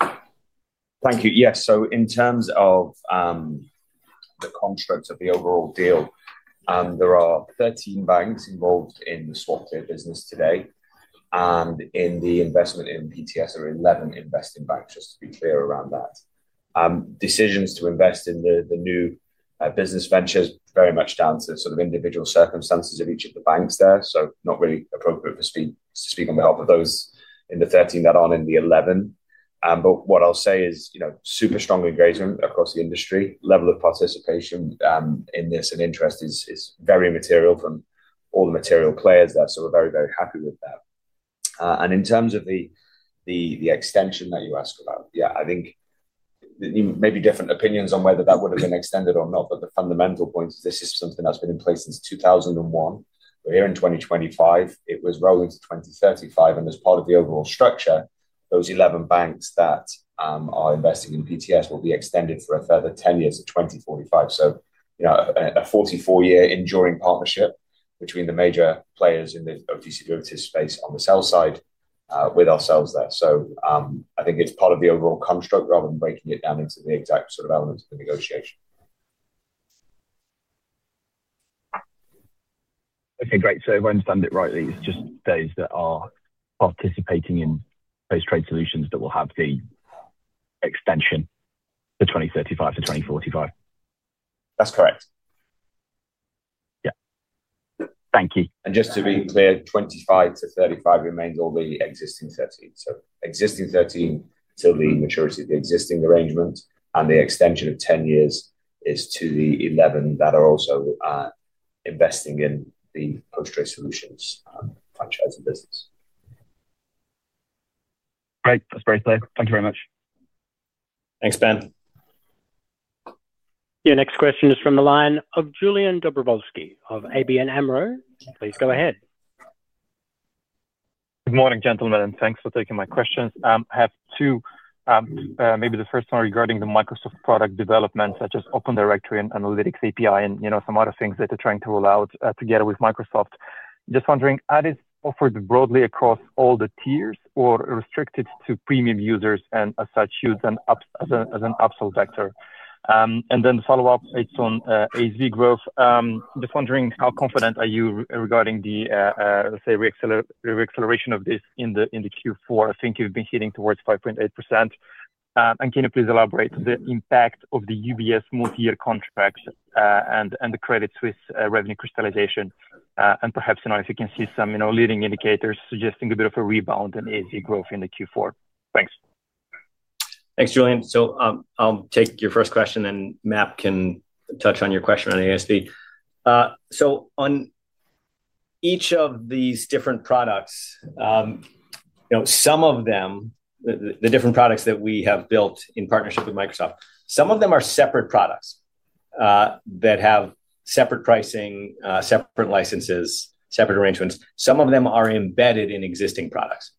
Thank you. Yes, in terms of the construct of the overall deal, there are 13 banks involved in the SwapClear business today. In the investment in PTS, there are 11 investing banks, just to be clear around that. Decisions to invest in the new business ventures are very much down to individual circumstances of each of the banks there. It is not really appropriate to speak on behalf of those in the 13 that aren't in the 11. What I'll say is there is super strong engagement across the industry. The level of participation in this and interest is very material from all the material players there. We are very, very happy with that. In terms of the extension that you ask about, I think maybe there are different opinions on whether that would have been extended or not, but the fundamental point is this is something that's been in place since 2001. We are here in 2025. It was rolling to 2035. As part of the overall structure, those 11 banks that are investing in PTS will be extended for a further 10 years at 2045. This is a 44-year enduring partnership between the major players in the OTC derivatives space on the sell side with ourselves there. I think it's part of the overall construct rather than breaking it down into the exact elements of the negotiation. Okay, great. If I understand it rightly, it's just those that are participating in post-trade solutions that will have the extension to 2035 to 2045. That's correct. Thank you. To be clear, 25 to 35 remains all the existing 13. Existing 13 till the maturity of the existing arrangement, and the extension of 10 years is to the 11 that are also investing in the post-trade solutions franchising business. Great. That's very clear. Thank you very much. Thanks, Ben. Your next question is from the line of Julian Dobrovolschi of ABN AMRO. Please go ahead. Good morning, gentlemen, and thanks for taking my questions. I have two. Maybe the first one regarding the Microsoft product development, such as Open Directory and Analytics API and some other things that they're trying to roll out together with Microsoft. Just wondering, are these offered broadly across all the tiers or restricted to premium users and as such, use an upsell vector? The follow-up, it's on ASB growth. Just wondering, how confident are you regarding the, let's say, reacceleration of this in the Q4? I think you've been hitting towards 5.8%. Can you please elaborate on the impact of the UBS multi-year contract and the Credit Suisse revenue crystallization? Perhaps, you know, if you can see some leading indicators suggesting a bit of a rebound in ASB growth in the Q4. Thanks. Thanks, Julian. I'll take your first question, and MAP can touch on your question on ASB. On each of these different products, some of them, the different products that we have built in partnership with Microsoft, some of them are separate products that have separate pricing, separate licenses, separate arrangements. Some of them are embedded in existing products.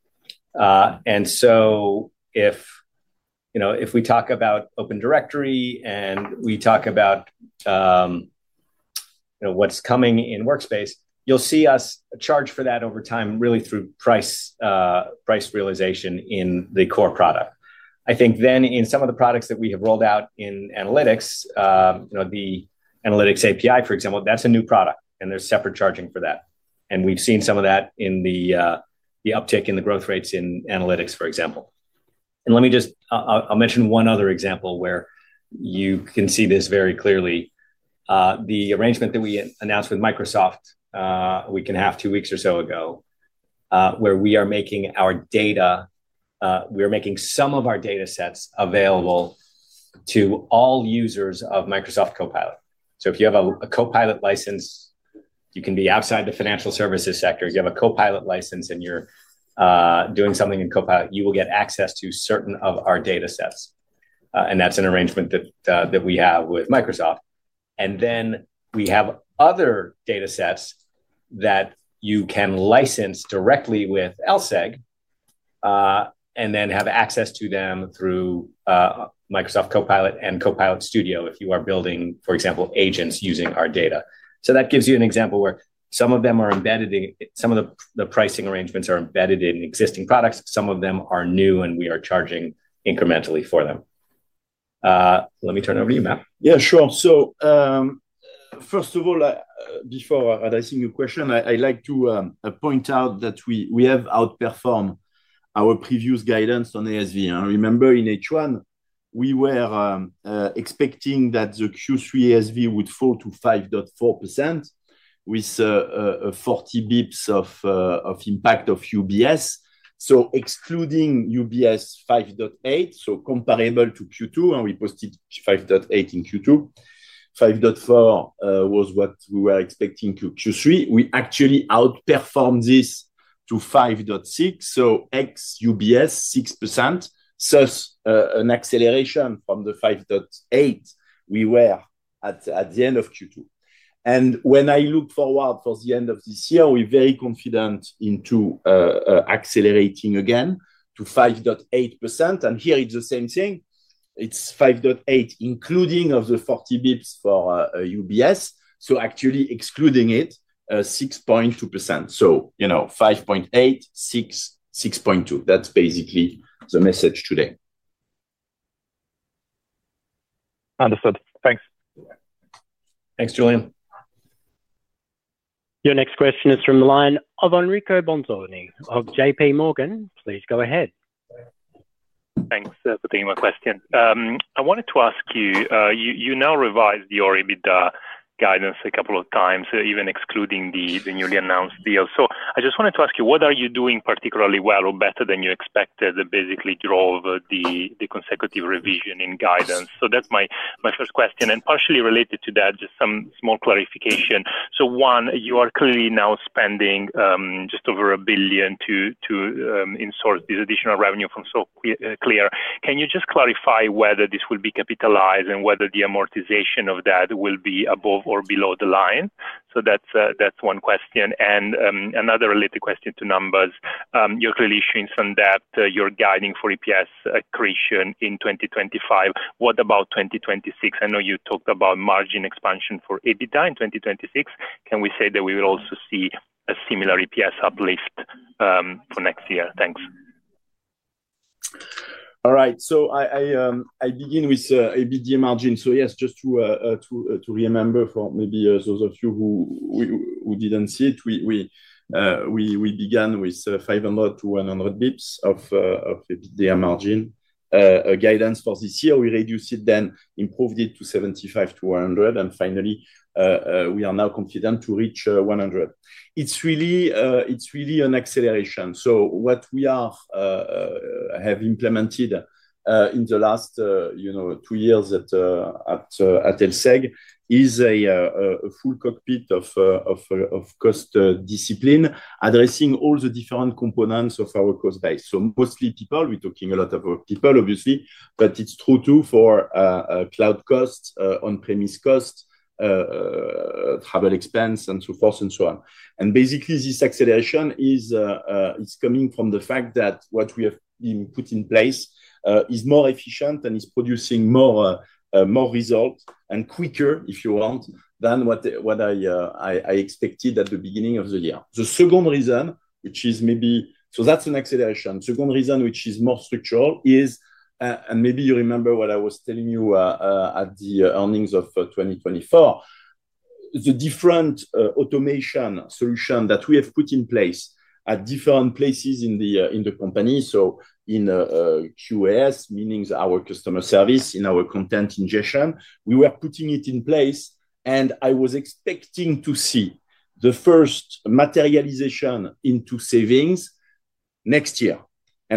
If we talk about Open Directory and we talk about what's coming in Workspace, you'll see us charge for that over time, really through price realization in the core product. I think in some of the products that we have rolled out in analytics, the Analytics API, for example, that's a new product, and there's separate charging for that. We've seen some of that in the uptick in the growth rates in analytics, for example. I'll mention one other example where you can see this very clearly. The arrangement that we announced with Microsoft, a week and a half, two weeks or so ago, where we are making our data, we are making some of our data sets available to all users of Microsoft Copilot. If you have a Copilot license, you can be outside the financial services sector. If you have a Copilot license and you're doing something in Copilot, you will get access to certain of our data sets. That's an arrangement that we have with Microsoft. We have other data sets that you can license directly with LSEG and then have access to them through Microsoft Copilot and Copilot Studio if you are building, for example, agents using our data. That gives you an example where some of them are embedded in, some of the pricing arrangements are embedded in existing products. Some of them are new, and we are charging incrementally for them. Let me turn it over to you, MAP. Yeah, sure. First of all, before addressing your question, I'd like to point out that we have outperformed our previous guidance on ASB. Remember in H1, we were expecting that the Q3 ASB would fall to 5.4% with 40 bps of impact of UBS. Excluding UBS, 5.8%, so comparable to Q2, and we posted 5.8% in Q2. 5.4% was what we were expecting for Q3. We actually outperformed this to 5.6%, so ex-UBS 6%, thus an acceleration from the 5.8% we were at the end of Q2. When I look forward towards the end of this year, we're very confident into accelerating again to 5.8%. Here it's the same thing. It's 5.8%, including the 40 bps for UBS, so actually excluding it 6.2%. 5.8%, 6%, 6.2%. That's basically the message today. Understood. Thanks. Thanks, Julian. Your next question is from the line of Enrico Bolzoni of JPMorgan. Please go ahead. Thanks for taking my question. I wanted to ask you, you now revised your EBITDA guidance a couple of times, even excluding the newly announced deal. I just wanted to ask you, what are you doing? Particularly well or better than you expected, which basically drove the consecutive revision in guidance. That's my first question. Partially related to that, just some small clarification. You are clearly now spending just over 1 billion to insource this additional revenue from SwapClear. Can you clarify whether this will be capitalized and whether the amortization of that will be above or below the line? That's one question. Another related question to numbers. You're clearly showing some depth. You're guiding for EPS accretion in 2025. What about 2026? I know you talked about margin expansion for EBITDA in 2026. Can we say that we will also see a similar EPS uplift for next year? Thanks. All right. I begin with EBITDA margin. Yes, just to remember for maybe those of you who didn't see it, we began with 50-100 bps of EBITDA margin guidance for this year. We reduced it, then improved it to 75-100. Finally, we are now confident to reach 100. It's really an acceleration. What we have implemented in the last two years at LSEG is a full cockpit of cost discipline addressing all the different components of our cost base. Mostly people, we're talking a lot about people, obviously, but it's true too for cloud costs, on-premise costs, travel expense, and so forth and so on. Basically, this acceleration is coming from the fact that what we have put in place is more efficient and is producing more results and quicker, if you want, than what I expected at the beginning of the year. The second reason, which is maybe an acceleration. The second reason, which is more structural, is, and maybe you remember what I was telling you at the earnings of 2024, the different automation solutions that we have put in place at different places in the company. In QAS, meaning our customer service, in our content ingestion, we were putting it in place. I was expecting to see the first materialization into savings next year.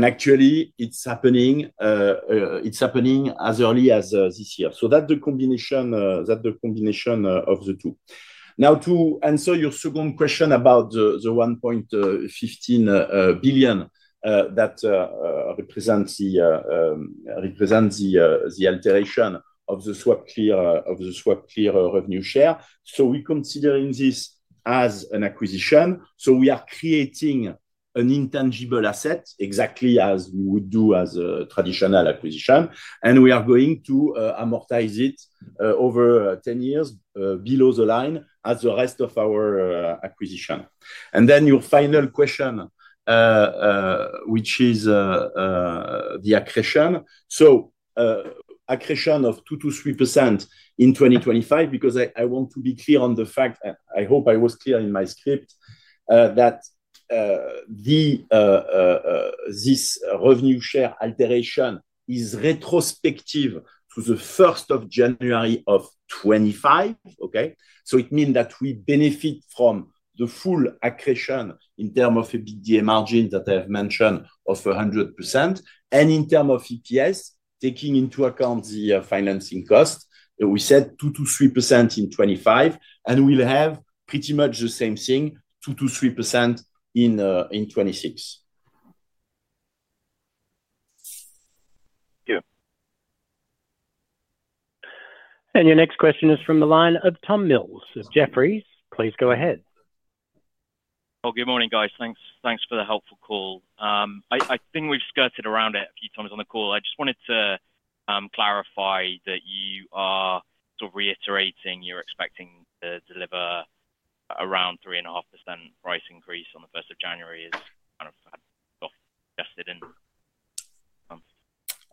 Actually, it's happening as early as this year. That's the combination of the two. Now, to answer your second question about the 1.15 billion that represents the alteration of the SwapClear revenue share, we're considering this as an acquisition. We are creating an intangible asset exactly as we would do as a traditional acquisition. We are going to amortize it over 10 years below the line as the rest of our acquisition. Then your final question, which is the accretion. Accretion of 2-3% in 2025, because I want to be clear on the fact, I hope I was clear in my script, that this revenue share alteration is retrospective to the 1st of January of 2025. It means that we benefit from the full accretion in terms of EBITDA margin that I have mentioned of 100%. In terms of EPS, taking into account the financing cost, we said 2-3% in 2025, and we'll have pretty much the same thing, 2-3% in 2026. Thank you. Your next question is from the line of Tom Mills of Jefferies. Please go ahead. Good morning, guys. Thanks for the helpful call. I think we've skirted around it a few times on the call. I just wanted to clarify that you are sort of reiterating you're expecting to deliver around 3.5% price increase on the 1st of January as kind of had been suggested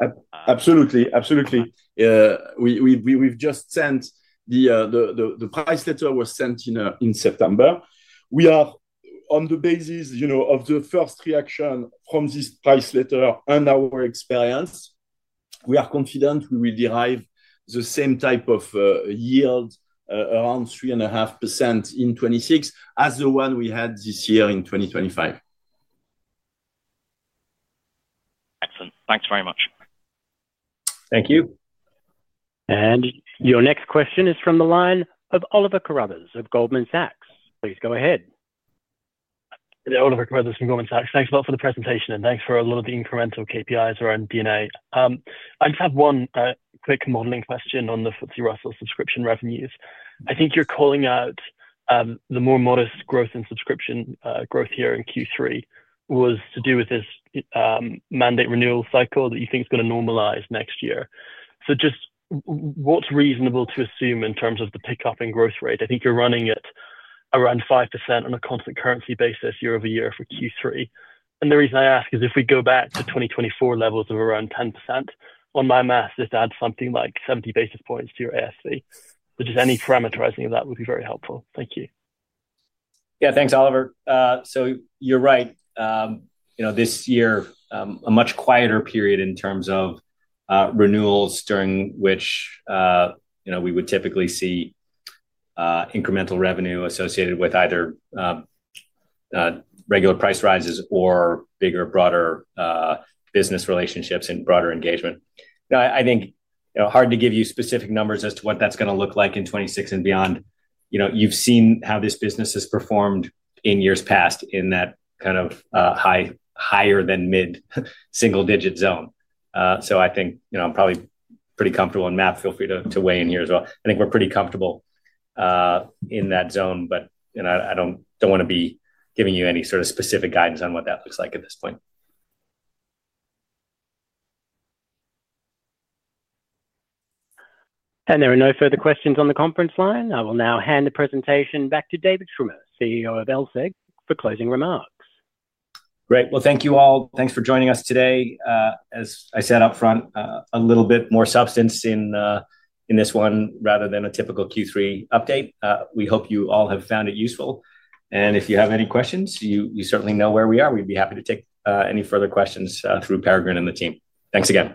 in. Absolutely. Yeah. We've just sent the price letter was sent in September. We are, on the basis of the first reaction from this price letter and our experience, confident we will derive the same type of yield around 3.5% in 2026 as the one we had this year in 2025. Excellent. Thanks very much. Thank you. Your next question is from the line of Oliver Carruthers of Goldman Sachs. Please go ahead. Thanks a lot for the presentation and thanks for a lot of the incremental KPIs around D&A. I just have one quick modeling question on the FTSE Russell subscription revenues. I think you're calling out the more modest growth in subscription growth here in Q3 was to do with this mandate renewal cycle that you think is going to normalize next year. Just what's reasonable to assume in terms of the pickup in growth rate? I think you're running at around 5% on a constant currency basis year-over-year for Q3. The reason I ask is if we go back to 2024 levels of around 10%, on my math, this adds something like 70 basis points to your ASB. Just any parameterizing of that would be very helpful. Thank you. Yeah. Thanks, Oliver. You're right. This year, a much quieter period in terms of renewals during which we would typically see incremental revenue associated with either regular price rises or bigger, broader business relationships and broader engagement. I think hard to give you specific numbers as to what that's going to look like in 2026 and beyond. You've seen how this business has performed in years past in that kind of higher than mid-single-digit zone. I think I'm probably pretty comfortable in that. Feel free to weigh in here as well. I think we're pretty comfortable in that zone, but I don't want to be giving you any sort of specific guidance on what that looks like at this point. There are no further questions on the conference line. I will now hand the presentation back to David Schwimmer, CEO of LSEG, for closing remarks. Great. Thank you all. Thanks for joining us today. As I said up front, a little bit more substance in this one rather than a typical Q3 update. We hope you all have found it useful. If you have any questions, you certainly know where we are. We'd be happy to take any further questions through Peregrine and the team. Thanks again.